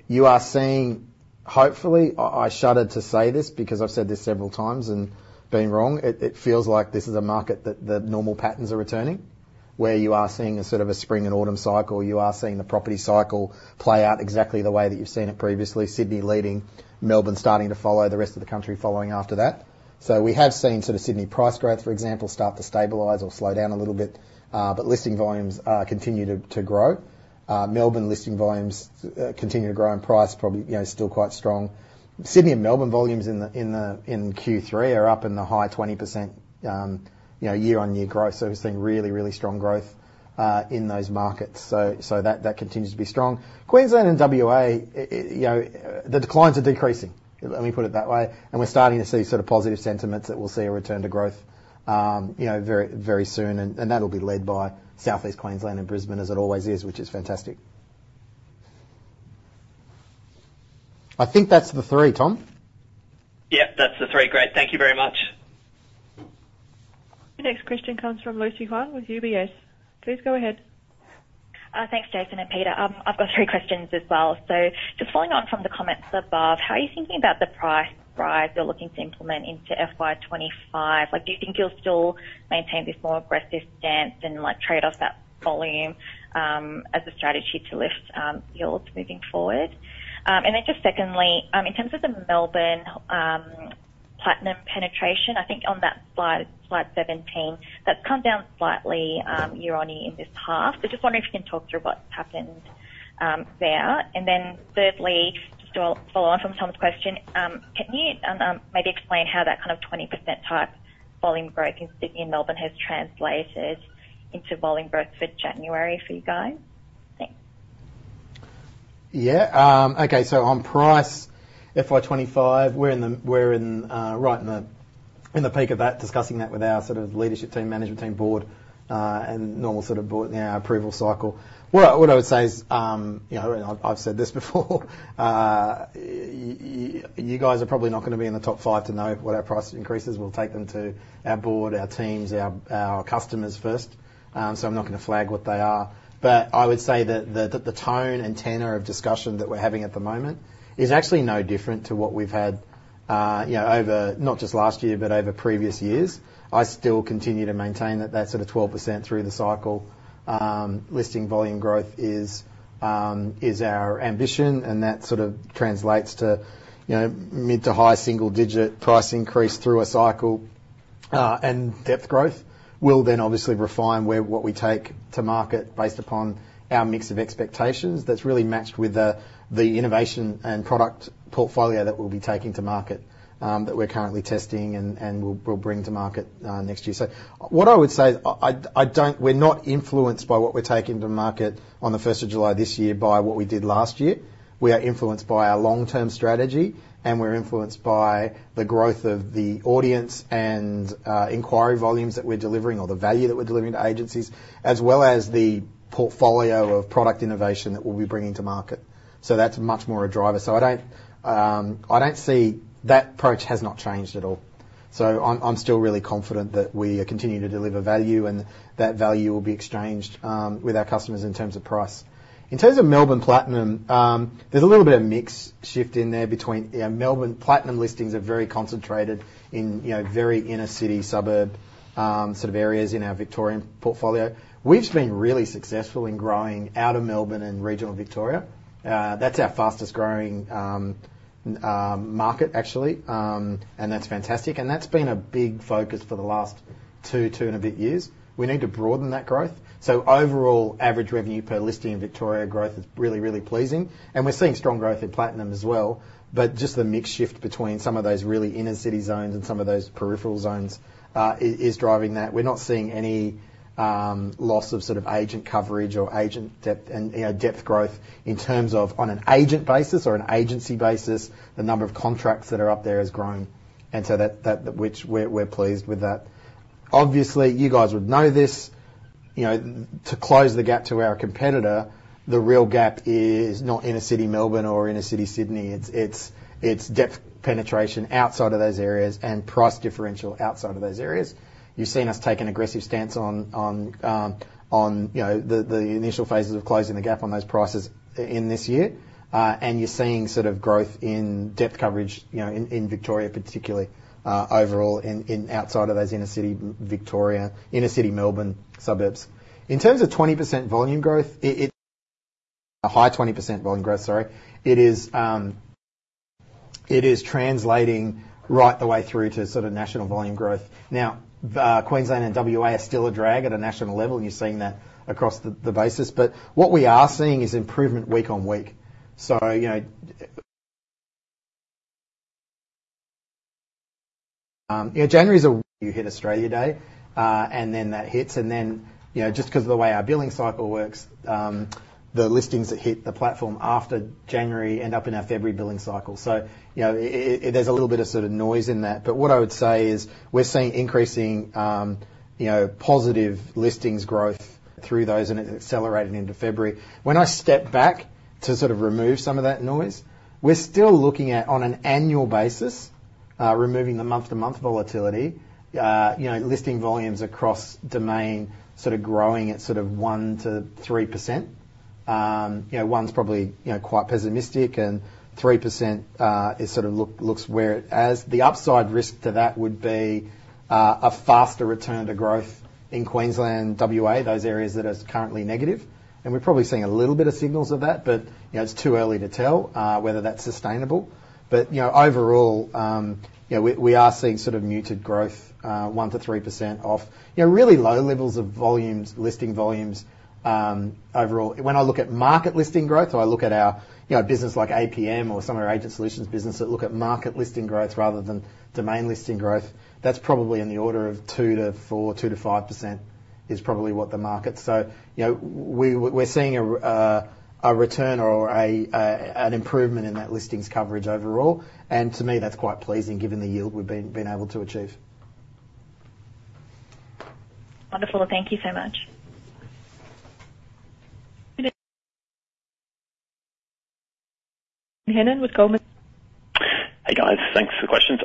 you are seeing, hopefully, I shuddered to say this because I've said this several times and been wrong. It feels like this is a market that the normal patterns are returning, where you are seeing sort of a spring and autumn cycle. You are seeing the property cycle play out exactly the way that you've seen it previously, Sydney leading, Melbourne starting to follow, the rest of the country following after that. So we have seen sort of Sydney price growth, for example, start to stabilise or slow down a little bit, but listing volumes continue to grow. Melbourne listing volumes continue to grow and price probably still quite strong. Sydney and Melbourne volumes in Q3 are up in the high 20% year-on-year growth. So we're seeing really, really strong growth in those markets. So that continues to be strong. Queensland and WA, the declines are decreasing. Let me put it that way. And we're starting to see sort of positive sentiments that we'll see a return to growth very soon. And that'll be led by Southeast Queensland and Brisbane as it always is, which is fantastic. I think that's the three, Tom. Yep. That's the three. Great. Thank you very much. The next question comes from Lucy Huang with UBS. Please go ahead. Thanks, Jason and Peter. I've got three questions as well. So just following on from the comments above, how are you thinking about the price rise you're looking to implement into FY 2025? Do you think you'll still maintain this more aggressive stance and trade off that volume as a strategy to lift yields moving forward? And then just secondly, in terms of the Melbourne Platinum penetration, I think on that slide 17, that's come down slightly year-on-year in this half. So just wondering if you can talk through what's happened there. And then thirdly, just to follow on from Tom's question, can you maybe explain how that kind of 20% type volume growth in Sydney and Melbourne has translated into volume growth for January for you guys? Thanks. Yeah. Okay. So on price FY 2025, we're right in the peak of that, discussing that with our sort of leadership team, management team, board, and normal sort of approval cycle. What I would say is, and I've said this before, you guys are probably not going to be in the top five to know what our price increases. We'll take them to our board, our teams, our customers first. So I'm not going to flag what they are. But I would say that the tone and tenor of discussion that we're having at the moment is actually no different to what we've had over not just last year, but over previous years. I still continue to maintain that that sort of 12% through the cycle listing volume growth is our ambition. And that sort of translates to mid- to high-single-digit price increase through a cycle. Depth growth will then obviously refine what we take to market based upon our mix of expectations that's really matched with the innovation and product portfolio that we'll be taking to market that we're currently testing and we'll bring to market next year. So what I would say is we're not influenced by what we're taking to market on the 1st of July this year by what we did last year. We are influenced by our long-term strategy, and we're influenced by the growth of the audience and inquiry volumes that we're delivering or the value that we're delivering to agencies, as well as the portfolio of product innovation that we'll be bringing to market. So that's much more a driver. So I don't see that approach has not changed at all. So I'm still really confident that we continue to deliver value, and that value will be exchanged with our customers in terms of price. In terms of Melbourne Platinum, there's a little bit of mix shift in there between Melbourne Platinum listings are very concentrated in very inner-city, suburb sort of areas in our Victoria portfolio. We've been really successful in growing out of Melbourne and regional Victoria. That's our fastest-growing market, actually. And that's been a big focus for the last two and a bit years. We need to broaden that growth. So overall, average revenue per listing in Victoria growth is really, really pleasing. And we're seeing strong growth in Platinum as well. But just the mix shift between some of those really inner-city zones and some of those peripheral zones is driving that. We're not seeing any loss of sort of agent coverage or agent depth and depth growth in terms of on an agent basis or an agency basis. The number of contracts that are up there has grown, which we're pleased with that. Obviously, you guys would know this. To close the gap to our competitor, the real gap is not inner-city Melbourne or inner-city Sydney. It's depth penetration outside of those areas and price differential outside of those areas. You've seen us take an aggressive stance on the initial phases of closing the gap on those prices in this year. And you're seeing sort of growth in depth coverage in Victoria particularly overall outside of those inner-city Victoria, inner-city Melbourne suburbs. In terms of 20% volume growth, a high 20% volume growth, sorry, it is translating right the way through to sort of national volume growth. Now, Queensland and WA are still a drag at a national level, and you're seeing that across the basis. But what we are seeing is improvement week on week. So January's a week you hit Australia Day, and then that hits. And then just because of the way our billing cycle works, the listings that hit the platform after January end up in our February billing cycle. So there's a little bit of sort of noise in that. But what I would say is we're seeing increasing positive listings growth through those, and it's accelerated into February. When I step back to sort of remove some of that noise, we're still looking at, on an annual basis, removing the month-to-month volatility, listing volumes across Domain sort of growing at sort of 1%-3%. 1's probably quite pessimistic, and 3% sort of looks where it as. The upside risk to that would be a faster return to growth in Queensland, WA, those areas that are currently negative. We're probably seeing a little bit of signals of that, but it's too early to tell whether that's sustainable. But overall, we are seeing sort of muted growth, 1%-3% off, really low levels of listing volumes overall. When I look at market listing growth, or I look at our business like APM or some of our Agent Solutions business that look at market listing growth rather than Domain listing growth, that's probably in the order of 2%-4%, 2%-5% is probably what the market's, so we're seeing a return or an improvement in that listings coverage overall. And to me, that's quite pleasing given the yield we've been able to achieve. Wonderful. Thank you so much. Kane Hannan with Goldman Sachs. Hey, guys. Thanks for the questions.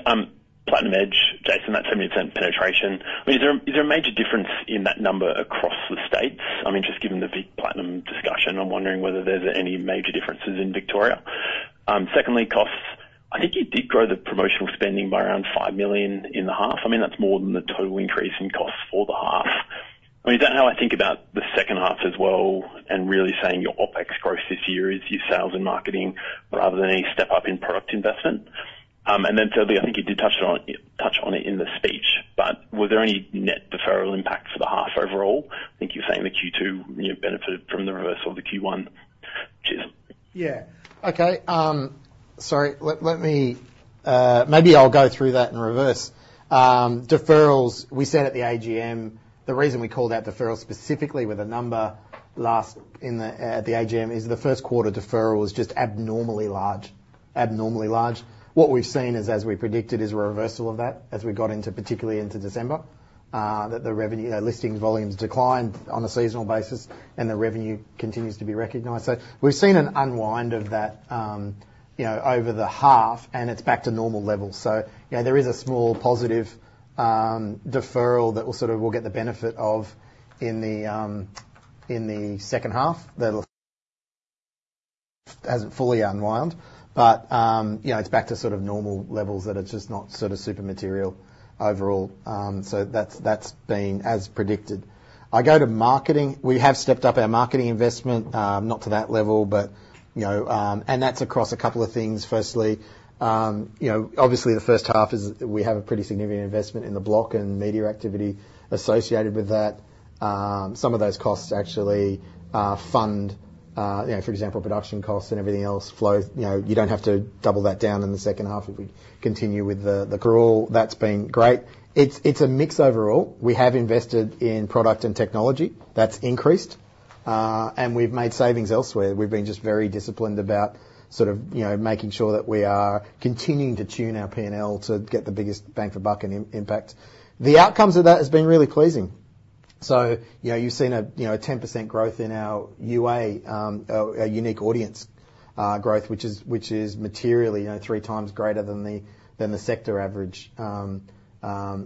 Platinum Edge, Jason, that 70% penetration. I mean, is there a major difference in that number across the states? I mean, just given the VIP Platinum discussion, I'm wondering whether there's any major differences in Victoria. Secondly, costs. I think you did grow the promotional spending by around 5 million in the half. I mean, that's more than the total increase in costs for the half. I mean, is that how I think about the second half as well and really saying your OpEx growth this year is your sales and marketing rather than any step-up in product investment? And then thirdly, I think you did touch on it in the speech, but was there any net deferral impact for the half overall? I think you're saying the Q2 benefited from the reversal of the Q1, which is. Yeah. Okay. Sorry. Maybe I'll go through that in reverse. Deferrals, we said at the AGM the reason we called out deferrals specifically with a number at the AGM is the first quarter deferral was just abnormally large, abnormally large. What we've seen is, as we predicted, is a reversal of that as we got particularly into December, that the listings volumes declined on a seasonal basis, and the revenue continues to be recognized. So we've seen an unwind of that over the half, and it's back to normal levels. So there is a small positive deferral that we'll sort of get the benefit of in the second half. That hasn't fully unwound, but it's back to sort of normal levels that it's just not sort of super material overall. So that's been as predicted. I go to marketing. We have stepped up our marketing investment, not to that level, but and that's across a couple of things. Firstly, obviously, the first half is we have a pretty significant investment in the block and media activity associated with that. Some of those costs actually fund, for example, production costs and everything else flows. You don't have to double that down in the second half if we continue with the. Overall, that's been great. It's a mix overall. We have invested in product and technology. That's increased. We've made savings elsewhere. We've been just very disciplined about sort of making sure that we are continuing to tune our P&L to get the biggest bang for buck impact. The outcomes of that have been really pleasing. So you've seen a 10% growth in our UA, a unique audience growth, which is materially 3x greater than the sector average,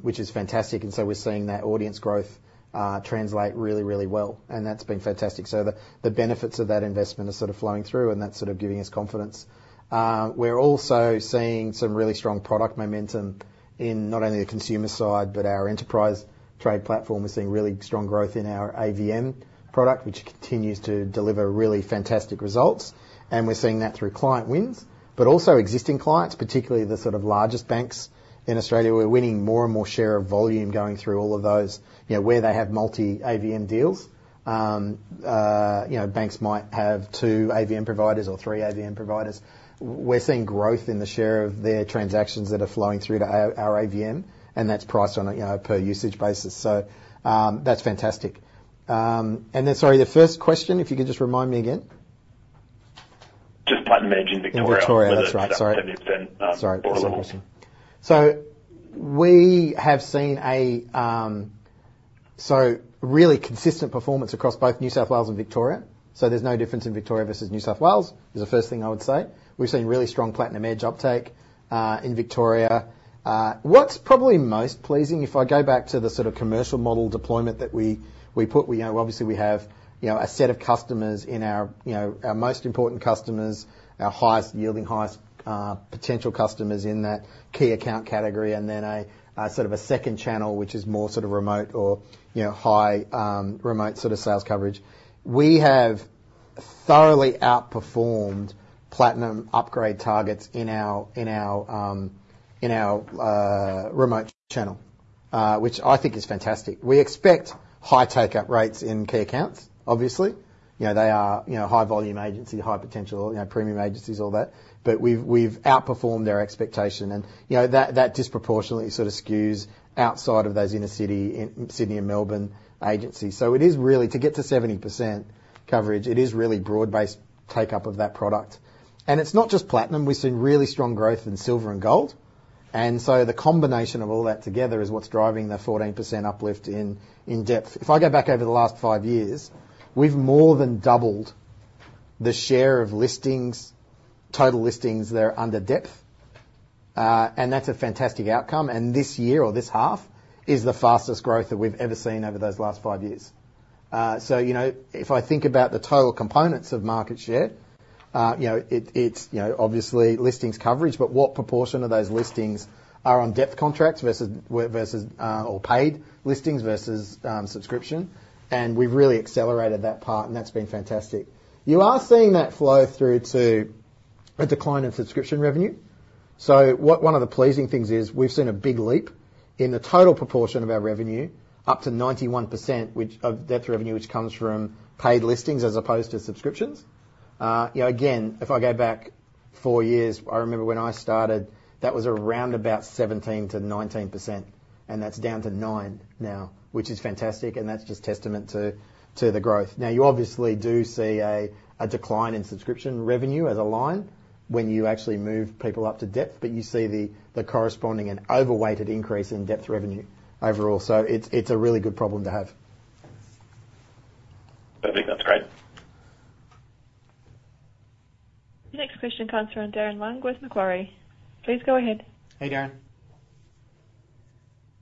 which is fantastic. And so we're seeing that audience growth translate really, really well. And that's been fantastic. So the benefits of that investment are sort of flowing through, and that's sort of giving us confidence. We're also seeing some really strong product momentum in not only the consumer side, but our enterprise trade platform. We're seeing really strong growth in our AVM product, which continues to deliver really fantastic results. And we're seeing that through client wins, but also existing clients, particularly the sort of largest banks in Australia. We're winning more and more share of volume going through all of those where they have multi-AVM deals. Banks might have two AVM providers or three AVM providers. We're seeing growth in the share of their transactions that are flowing through to our AVM, and that's priced on a per-usage basis. So that's fantastic. And then, sorry, the first question, if you could just remind me again. Just Platinum Edge in Victoria. Victoria. That's right. Sorry. That's a 10% portfolio. Sorry. Second question. So we have seen a really consistent performance across both New South Wales and Victoria. So there's no difference in Victoria versus New South Wales is the first thing I would say. We've seen really strong Platinum Edge uptake in Victoria. What's probably most pleasing, if I go back to the sort of commercial model deployment that we put, obviously, we have a set of customers in our most important customers, our yielding highest potential customers in that key account category, and then sort of a second channel, which is more sort of remote or high remote sort of sales coverage. We have thoroughly outperformed Platinum upgrade targets in our remote channel, which I think is fantastic. We expect high take-up rates in key accounts, obviously. They are high-volume agency, high-potential premium agencies, all that. But we've outperformed their expectation. That disproportionately sort of skews outside of those inner-city, Sydney and Melbourne agencies. So to get to 70% coverage, it is really broad-based take-up of that product. And it's not just Platinum. We've seen really strong growth in Silver and Gold. And so the combination of all that together is what's driving the 14% uplift in depth. If I go back over the last five years, we've more than doubled the share of total listings that are under depth. And that's a fantastic outcome. And this year or this half is the fastest growth that we've ever seen over those last five years. So if I think about the total components of market share, it's obviously listings coverage, but what proportion of those listings are on depth contracts or paid listings versus subscription? And we've really accelerated that part, and that's been fantastic. You are seeing that flow through to a decline in subscription revenue. So one of the pleasing things is we've seen a big leap in the total proportion of our revenue up to 91% of depth revenue, which comes from paid listings as opposed to subscriptions. Again, if I go back four years, I remember when I started, that was around about 17%-19%. And that's down to 9% now, which is fantastic. And that's just testament to the growth. Now, you obviously do see a decline in subscription revenue as a line when you actually move people up to depth, but you see the corresponding and overweighted increase in depth revenue overall. So it's a really good problem to have. I think that's great. Next question comes from Darren Leung with Macquarie. Please go ahead. Hey, Darren.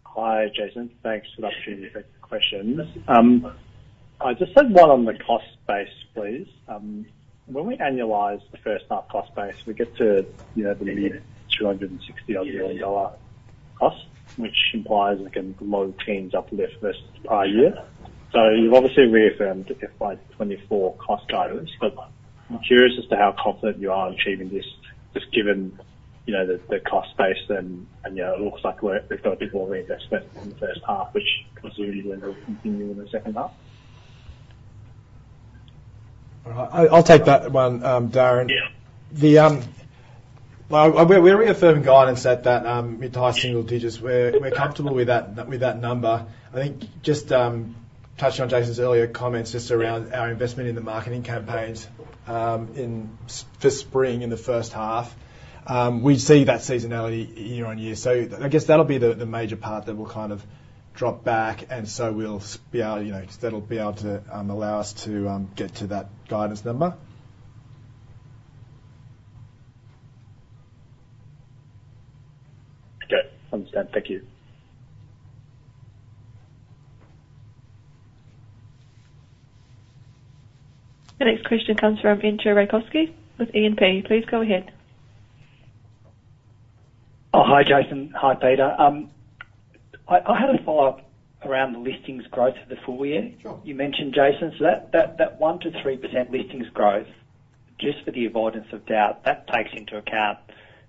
Hi, Jason. Thanks for the opportunity to take the questions. I just had one on the cost base, please. When we annualize the first half cost base, we get to the mid-AUD 260-odd million cost, which implies, again, low teens uplift versus prior year. So you've obviously reaffirmed FY 2024 cost items, but I'm curious as to how confident you are achieving this just given the cost base, and it looks like we've got a bit more reinvestment in the first half, which presumably will continue in the second half. All right. I'll take that one, Darren. Yeah. Well, we're reaffirming guidance at that mid-to-high single digits. We're comfortable with that number. I think just touching on Jason's earlier comments just around our investment in the marketing campaigns for spring in the first half, we see that seasonality year-over-year. So I guess that'll be the major part that will kind of drop back, and so that'll be able to allow us to get to that guidance number. Okay. Understand. Thank you. The next question comes from Andrew Rakowski with MST. Please go ahead. Hi, Jason. Hi, Peter. I had a follow-up around the listings growth for the full year. You mentioned, Jason, that 1%-3% listings growth, just for the avoidance of doubt, that takes into account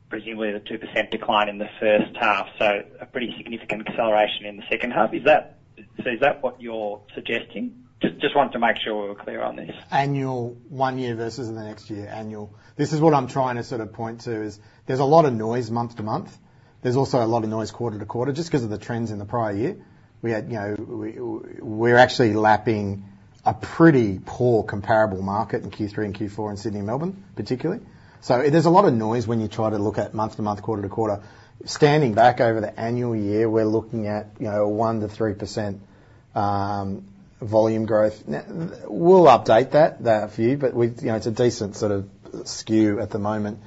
presumably the 2% decline in the first half, so a pretty significant acceleration in the second half. So is that what you're suggesting? Just wanted to make sure we were clear on this. Annual one year versus in the next year, annual. This is what I'm trying to sort of point to is there's a lot of noise month-to-month. There's also a lot of noise quarter-to-quarter just because of the trends in the prior year. We're actually lapping a pretty poor comparable market in Q3 and Q4 in Sydney and Melbourne, particularly. So there's a lot of noise when you try to look at month-to-month, quarter-to-quarter. Standing back over the annual year, we're looking at a 1%-3% volume growth. We'll update that for you, but it's a decent sort of skew at the moment.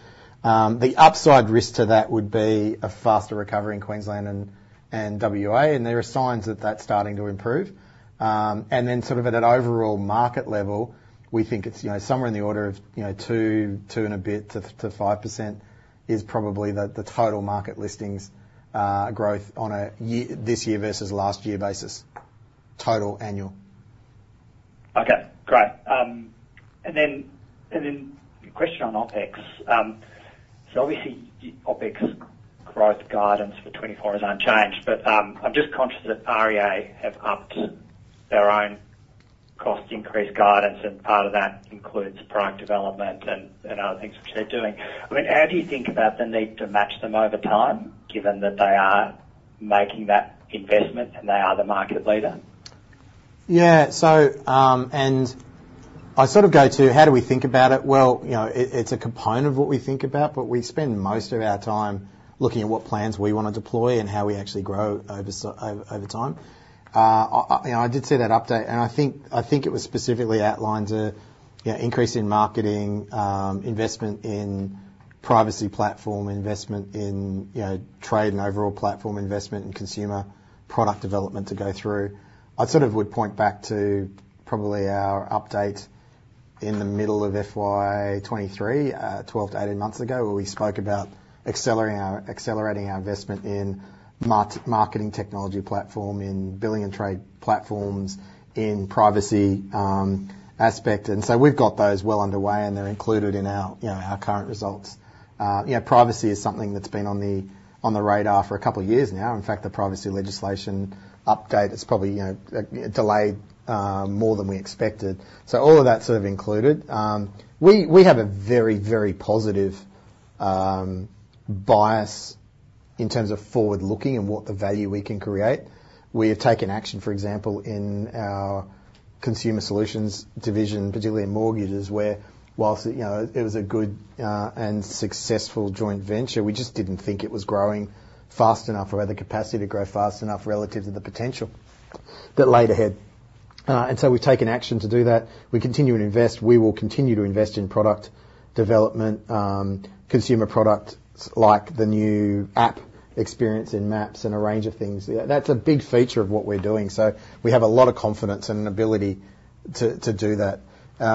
The upside risk to that would be a faster recovery in Queensland and WA, and there are signs that that's starting to improve. And then sort of at an overall market level, we think it's somewhere in the order of 2% and a bit to 5% is probably the total market listings growth on a this year versus last year basis, total annual. Okay. Great. And then a question on OpEx. So obviously, OpEx growth guidance for 2024 is unchanged, but I'm just conscious that REA have upped their own cost increase guidance, and part of that includes product development and other things which they're doing. I mean, how do you think about the need to match them over time given that they are making that investment and they are the market leader? Yeah. I sort of go to how do we think about it? Well, it's a component of what we think about, but we spend most of our time looking at what plans we want to deploy and how we actually grow over time. I did see that update, and I think it was specifically outlined to increase in marketing, investment in privacy platform, investment in trade and overall platform investment, and consumer product development to go through. I sort of would point back to probably our update in the middle of FY 2023, 12-18 months ago, where we spoke about accelerating our investment in marketing technology platform, in billing and trade platforms, in privacy aspect. So we've got those well underway, and they're included in our current results. Privacy is something that's been on the radar for a couple of years now. In fact, the privacy legislation update has probably delayed more than we expected. So all of that sort of included. We have a very, very positive bias in terms of forward-looking and what the value we can create. We have taken action, for example, in our Consumer Solutions division, particularly in mortgages, where whilst it was a good and successful joint venture, we just didn't think it was growing fast enough or had the capacity to grow fast enough relative to the potential that lay ahead. And so we've taken action to do that. We continue and invest. We will continue to invest in product development, consumer products like the new app experience in Maps and a range of things. That's a big feature of what we're doing. So we have a lot of confidence and an ability to do that.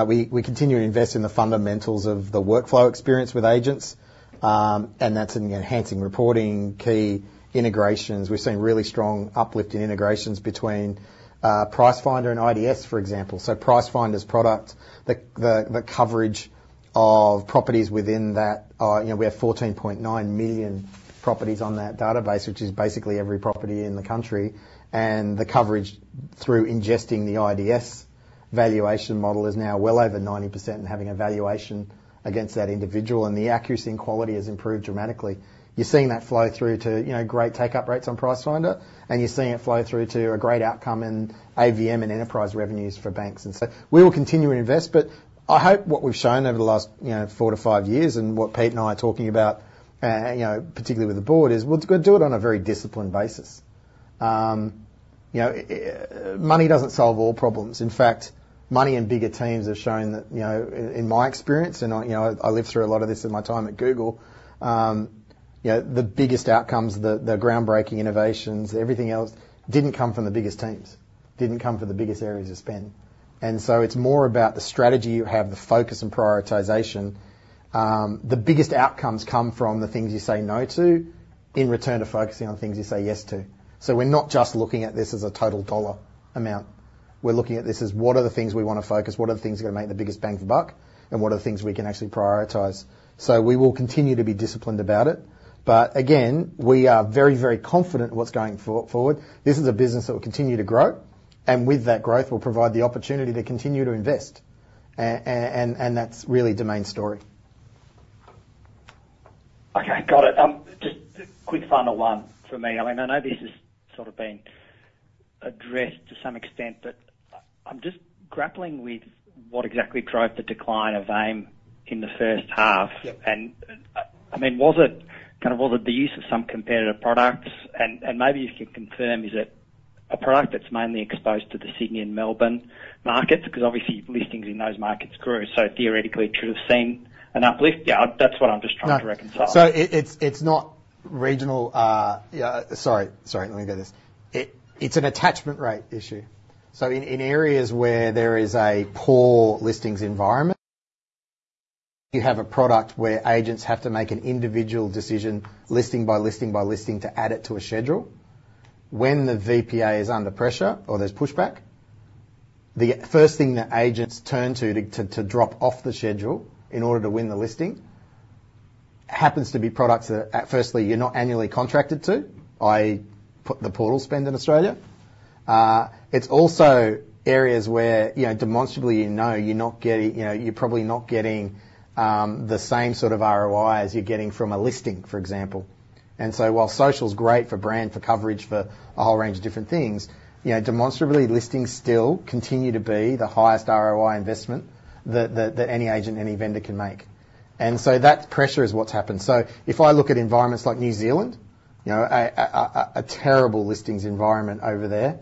We continue and invest in the fundamentals of the workflow experience with agents, and that's an enhancing reporting key integrations. We've seen really strong uplift in integrations between Pricefinder and IDS, for example. So Pricefinder's product, the coverage of properties within that we have 14.9 million properties on that database, which is basically every property in the country. And the coverage through ingesting the IDS valuation model is now well over 90% and having a valuation against that individual. And the accuracy and quality has improved dramatically. You're seeing that flow through to great take-up rates on Pricefinder, and you're seeing it flow through to a great outcome in AVM and enterprise revenues for banks. We will continue to invest, but I hope what we've shown over the last 4 years-5 years and what Pete and I are talking about, particularly with the board, is we'll do it on a very disciplined basis. Money doesn't solve all problems. In fact, money and bigger teams have shown that in my experience, and I lived through a lot of this in my time at Google, the biggest outcomes, the groundbreaking innovations, everything else didn't come from the biggest teams, didn't come from the biggest areas of spend. It's more about the strategy you have, the focus and prioritisation. The biggest outcomes come from the things you say no to in return to focusing on things you say yes to. So we're not just looking at this as a total dollar amount. We're looking at this as what are the things we want to focus, what are the things that are going to make the biggest bang for buck, and what are the things we can actually prioritize. So we will continue to be disciplined about it. But again, we are very, very confident in what's going forward. This is a business that will continue to grow. And with that growth, we'll provide the opportunity to continue to invest. And that's really the main story. Okay. Got it. Just quick final one for me. I mean, I know this has sort of been addressed to some extent, but I'm just grappling with what exactly drove the decline of AIM in the first half. And I mean, kind of, was it the use of some competitor products? And maybe if you can confirm, is it a product that's mainly exposed to the Sydney and Melbourne markets? Because obviously, listings in those markets grew. So theoretically, it should have seen an uplift. Yeah. That's what I'm just trying to reconcile. No. So it's not regional, sorry. Sorry. Let me go this. It's an attachment rate issue. So in areas where there is a poor listings environment, you have a product where agents have to make an individual decision listing by listing by listing to add it to a schedule. When the VPA is under pressure or there's pushback, the first thing that agents turn to to drop off the schedule in order to win the listing happens to be products that, firstly, you're not annually contracted to, i.e., put the portal spend in Australia. It's also areas where, demonstrably, you know you're not getting you're probably not getting the same sort of ROI as you're getting from a listing, for example. And so while social's great for brand, for coverage, for a whole range of different things, demonstrably, listings still continue to be the highest ROI investment that any agent, any vendor can make. And so that pressure is what's happened. So if I look at environments like New Zealand, a terrible listings environment over there,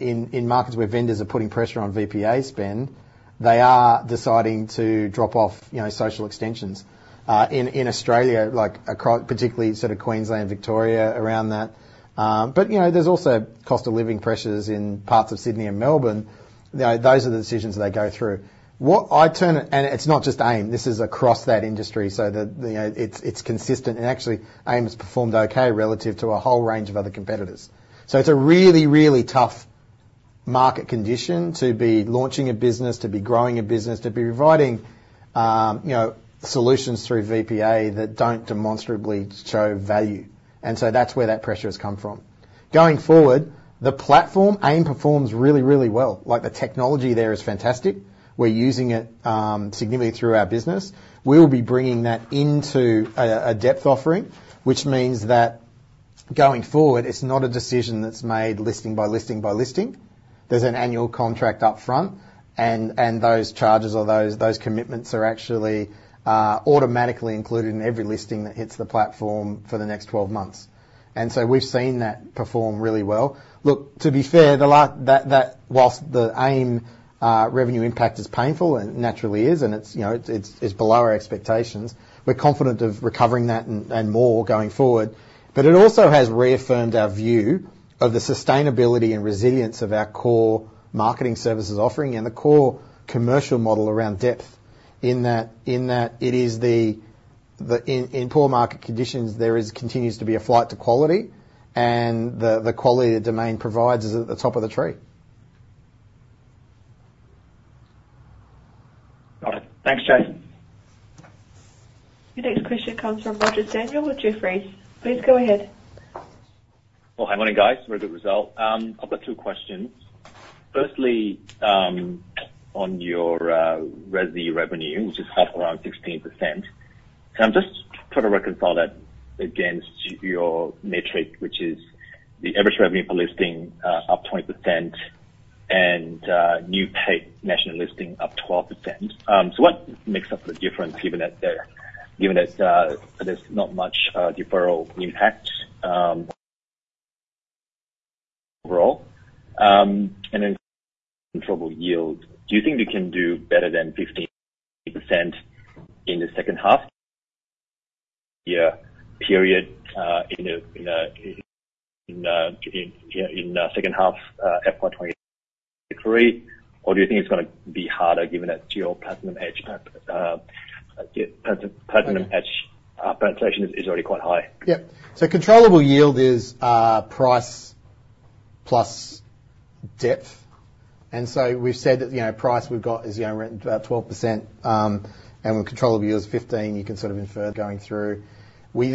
in markets where vendors are putting pressure on VPA spend, they are deciding to drop off social extensions. In Australia, particularly sort of Queensland, Victoria, around that. But there's also cost of living pressures in parts of Sydney and Melbourne. Those are the decisions they go through. And it's not just AIM. This is across that industry. So it's consistent. And actually, AIM has performed okay relative to a whole range of other competitors. So it's a really, really tough market condition to be launching a business, to be growing a business, to be providing solutions through VPA that don't demonstrably show value. And so that's where that pressure has come from. Going forward, the platform, AIM performs really, really well. The technology there is fantastic. We're using it significantly through our business. We'll be bringing that into a depth offering, which means that going forward, it's not a decision that's made listing by listing by listing. There's an annual contract upfront, and those charges or those commitments are actually automatically included in every listing that hits the platform for the next 12 months. And so we've seen that perform really well. Look, to be fair, while the AIM revenue impact is painful and naturally is, and it's below our expectations, we're confident of recovering that and more going forward. But it also has reaffirmed our view of the sustainability and resilience of our core marketing services offering and the core commercial model around depth in that it is in poor market conditions, there continues to be a flight to quality, and the quality the Domain provides is at the top of the tree. Got it. Thanks, Jason. The next question comes from Roger Samuel with Jefferies. Please go ahead. Well, hang on in, guys. We're a good result. I've got two questions. Firstly, on your residual revenue, which is up around 16%, can I just try to reconcile that against your metric, which is the average revenue per listing up 20% and new paid national listing up 12%? So what makes up the difference given that there's not much deferral impact overall? And then controllable yield. Do you think you can do better than 15% in the second half year period in a second half FY 2023, or do you think it's going to be harder given that your Platinum Edge penetration is already quite high? Yep. So controllable yield is price plus depth. And so we've said that price we've got is about 12%, and controllable yield is 15%. You can sort of infer. Going through. You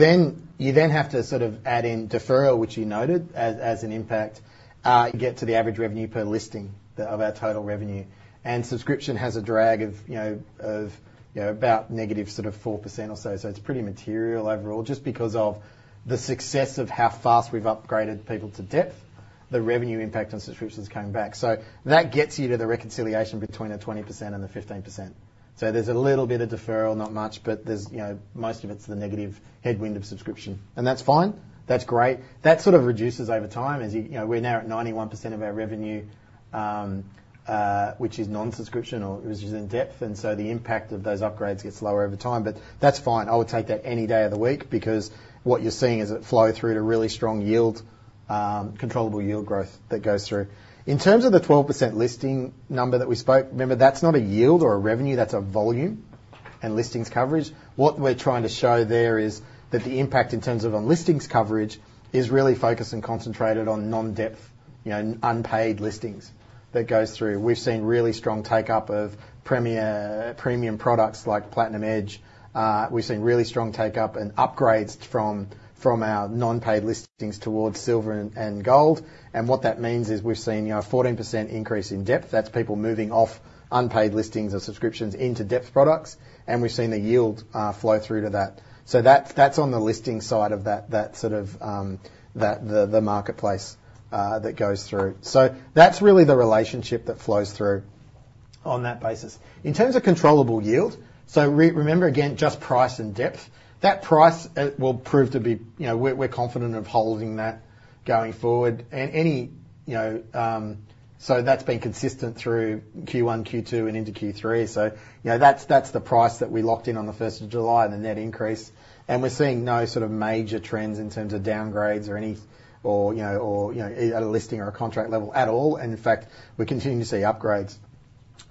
then have to sort of add in deferral, which you noted as an impact. You get to the average revenue per listing of our total revenue. And subscription has a drag of about negative sort of 4% or so. So it's pretty material overall just because of the success of how fast we've upgraded people to depth, the revenue impact on subscriptions coming back. So that gets you to the reconciliation between the 20% and the 15%. So there's a little bit of deferral, not much, but most of it's the negative headwind of subscription. And that's fine. That's great. That sort of reduces over time as we're now at 91% of our revenue, which is non-subscription or which is in depth. And so the impact of those upgrades gets lower over time. But that's fine. I would take that any day of the week because what you're seeing is a flow through to really strong controllable yield growth that goes through. In terms of the 12% listing number that we spoke, remember, that's not a yield or a revenue. That's a volume and listings coverage. What we're trying to show there is that the impact in terms of on listings coverage is really focused and concentrated on non-depth, unpaid listings that goes through. We've seen really strong take-up of premium products like Platinum Edge. We've seen really strong take-up and upgrades from our non-paid listings towards Silver and Gold. What that means is we've seen a 14% increase in depth. That's people moving off unpaid listings or subscriptions into depth products. We've seen the yield flow through to that. That's on the listing side of that sort of the marketplace that goes through. That's really the relationship that flows through on that basis. In terms of controllable yield, so remember, again, just price and depth, that price will prove to be. We're confident of holding that going forward. And any so that's been consistent through Q1, Q2, and into Q3. That's the price that we locked in on the 1st of July and the net increase. We're seeing no sort of major trends in terms of downgrades or any at a listing or a contract level at all. In fact, we continue to see upgrades.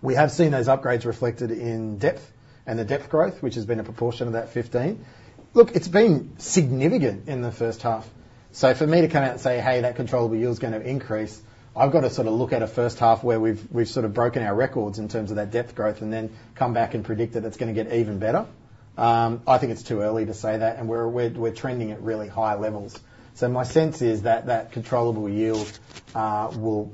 We have seen those upgrades reflected in depth and the depth growth, which has been a proportion of that 15. Look, it's been significant in the first half. So for me to come out and say, "Hey, that controllable yield's going to increase," I've got to sort of look at a first half where we've sort of broken our records in terms of that depth growth and then come back and predict that it's going to get even better. I think it's too early to say that, and we're trending at really high levels. So my sense is that that controllable yield will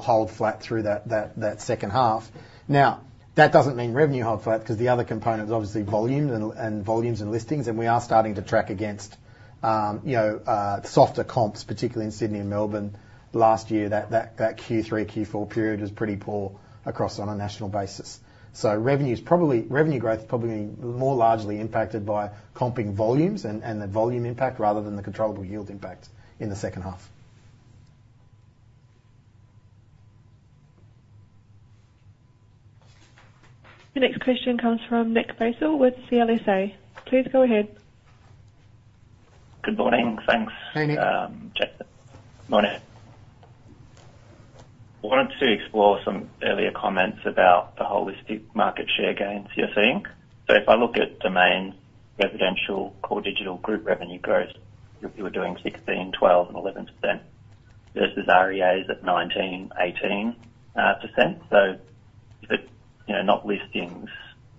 hold flat through that second half. Now, that doesn't mean revenue holds flat because the other component is obviously volumes and listings. And we are starting to track against softer comps, particularly in Sydney and Melbourne. Last year, that Q3, Q4 period was pretty poor across on a national basis. So revenue growth is probably more largely impacted by comping volumes and the volume impact rather than the controllable yield impact in the second half. The next question comes from Nick Basile with CLSA. Please go ahead. Good morning. Thanks. Hey, Nick. Morning. I wanted to explore some earlier comments about the holistic market share gains you're seeing. So if I look at Domain's residential, core digital, group revenue growth, you were doing 16%, 12%, and 11% versus REA's at 19%, 18%. So if it's not listings,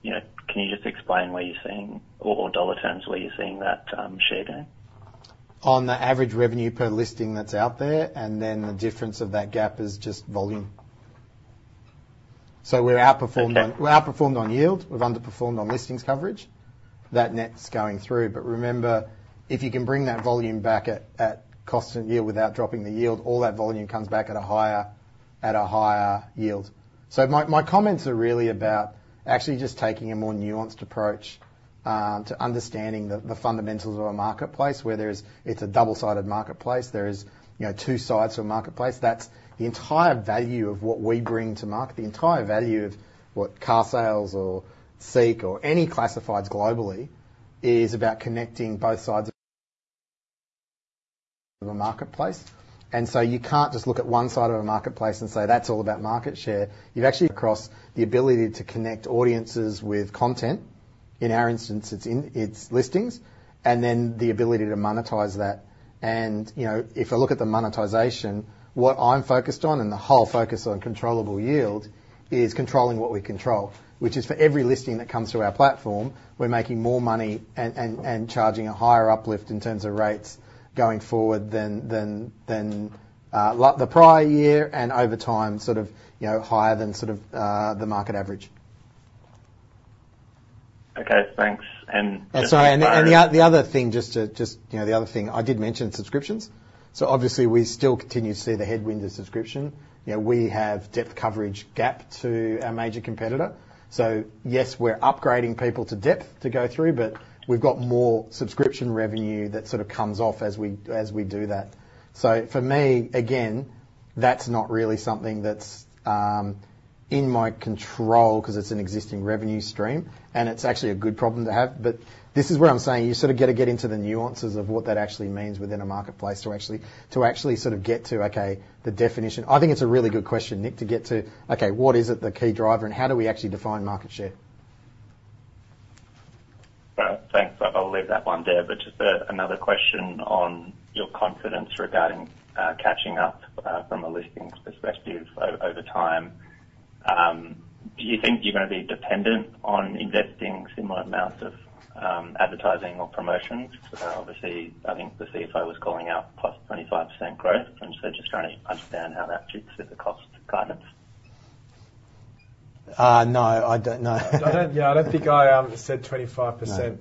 can you just explain where you're seeing or dollar terms, where you're seeing that share gain? On the average revenue per listing that's out there, and then the difference of that gap is just volume. So we're outperformed on yield. We've underperformed on listings coverage. That net's going through. But remember, if you can bring that volume back at cost and yield without dropping the yield, all that volume comes back at a higher yield. So my comments are really about actually just taking a more nuanced approach to understanding the fundamentals of a marketplace where it's a double-sided marketplace. There are two sides to a marketplace. The entire value of what we bring to market, the entire value of what Carsales or Seek or any classifieds globally is about connecting both sides of a marketplace. And so you can't just look at one side of a marketplace and say, "That's all about market share." You've actually across the ability to connect audiences with content. In our instance, it's listings and then the ability to monetize that. And if I look at the monetization, what I'm focused on and the whole focus on controllable yield is controlling what we control, which is for every listing that comes through our platform, we're making more money and charging a higher uplift in terms of rates going forward than the prior year and over time sort of higher than sort of the market average. Okay. Thanks. And. Sorry. The other thing just to just the other thing, I did mention subscriptions. So obviously, we still continue to see the headwind of subscription. We have depth coverage gap to our major competitor. So yes, we're upgrading people to depth to go through, but we've got more subscription revenue that sort of comes off as we do that. So for me, again, that's not really something that's in my control because it's an existing revenue stream, and it's actually a good problem to have. But this is where I'm saying you sort of got to get into the nuances of what that actually means within a marketplace to actually sort of get to, okay, the definition. I think it's a really good question, Nick, to get to, okay, what is it the key driver, and how do we actually define market share? Thanks. I'll leave that one there. But just another question on your confidence regarding catching up from a listings perspective over time. Do you think you're going to be dependent on investing similar amounts of advertising or promotions? Obviously, I think the CFO was calling out +25% growth. I'm just trying to understand how that fits with the cost guidance. No. No. Yeah. I don't think I said 25%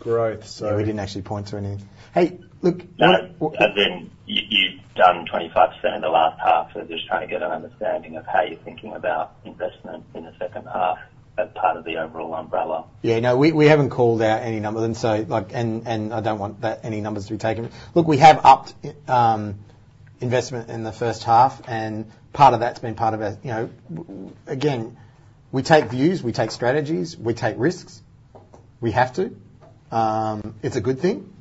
growth, so. Yeah. We didn't actually point to any. Hey, look. As in you've done 25% in the last half, so just trying to get an understanding of how you're thinking about investment in the second half as part of the overall umbrella. Yeah. No. We haven't called out any numbers, and I don't want any numbers to be taken. Look, we have upped investment in the first half, and part of that's been part of our, again, we take views. We take strategies. We take risks. We have to. It's a good thing.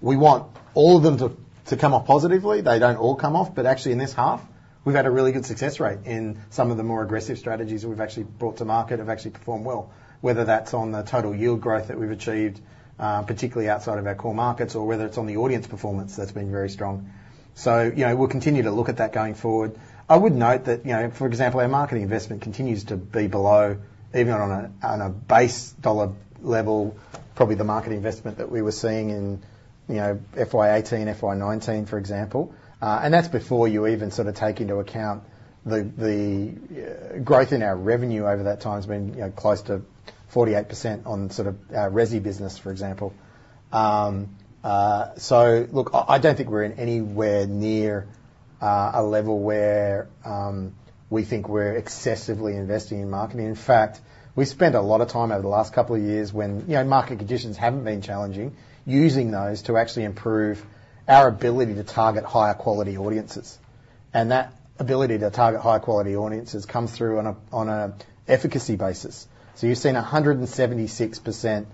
We want all of them to come off positively. They don't all come off. But actually, in this half, we've had a really good success rate in some of the more aggressive strategies that we've actually brought to market have actually performed well, whether that's on the total yield growth that we've achieved, particularly outside of our core markets, or whether it's on the audience performance that's been very strong. So we'll continue to look at that going forward. I would note that, for example, our marketing investment continues to be below, even on a base dollar level, probably the marketing investment that we were seeing in FY 2018, FY 2019, for example. And that's before you even sort of take into account the growth in our revenue over that time. It's been close to 48% on sort of our Residential business, for example. So look, I don't think we're anywhere near a level where we think we're excessively investing in marketing. In fact, we spent a lot of time over the last couple of years when market conditions haven't been challenging using those to actually improve our ability to target higher-quality audiences. And that ability to target higher-quality audiences comes through on an efficacy basis. So you've seen a 176%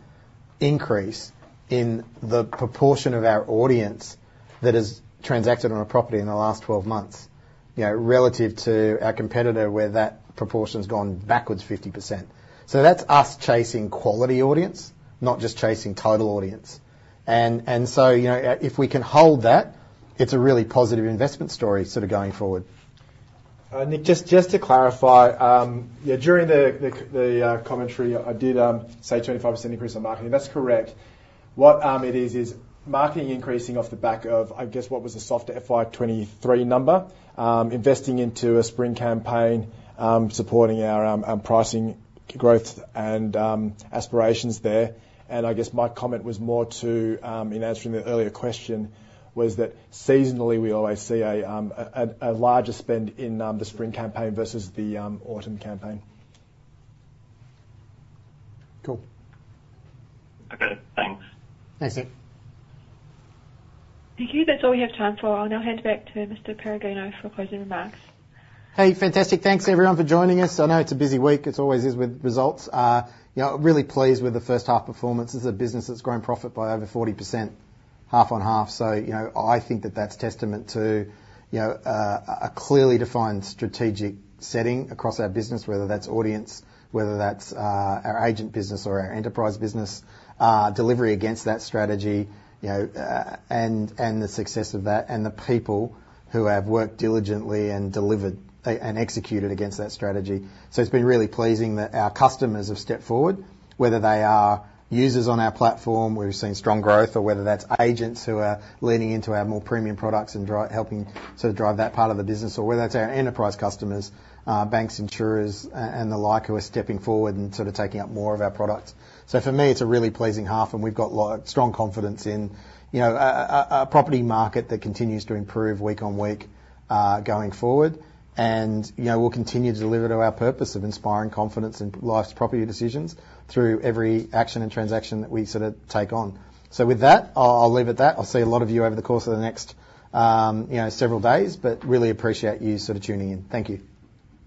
increase in the proportion of our audience that has transacted on a property in the last 12 months relative to our competitor where that proportion's gone backwards 50%. So that's us chasing quality audience, not just chasing total audience. And so if we can hold that, it's a really positive investment story sort of going forward. Nick, just to clarify, during the commentary, I did say 25% increase on marketing. That's correct. What it is, is marketing increasing off the back of, I guess, what was the softer FY 2023 number, investing into a spring campaign, supporting our pricing growth and aspirations there. And I guess my comment was more to, in answering the earlier question, was that seasonally, we always see a larger spend in the spring campaign versus the autumn campaign. Cool. Okay. Thanks. Thanks, Nick. Thank you. That's all we have time for. I'll now hand back to Mr. Pellegrino for closing remarks. Hey, fantastic. Thanks, everyone, for joining us. I know it's a busy week. It always is with results. Really pleased with the first half performance. This is a business that's grown profit by over 40% half on half. So I think that that's testament to a clearly defined strategic setting across our business, whether that's audience, whether that's our Agent business or our Enterprise business, delivery against that strategy and the success of that and the people who have worked diligently and executed against that strategy. So it's been really pleasing that our customers have stepped forward, whether they are users on our platform, we've seen strong growth, or whether that's agents who are leaning into our more premium products and helping sort of drive that part of the business, or whether that's our enterprise customers, banks, insurers, and the like who are stepping forward and sort of taking up more of our product. So for me, it's a really pleasing half, and we've got strong confidence in a property market that continues to improve week on week going forward. And we'll continue to deliver to our purpose of inspiring confidence in life's property decisions through every action and transaction that we sort of take on. So with that, I'll leave it that. I'll see a lot of you over the course of the next several days, but really appreciate you sort of tuning in. Thank you.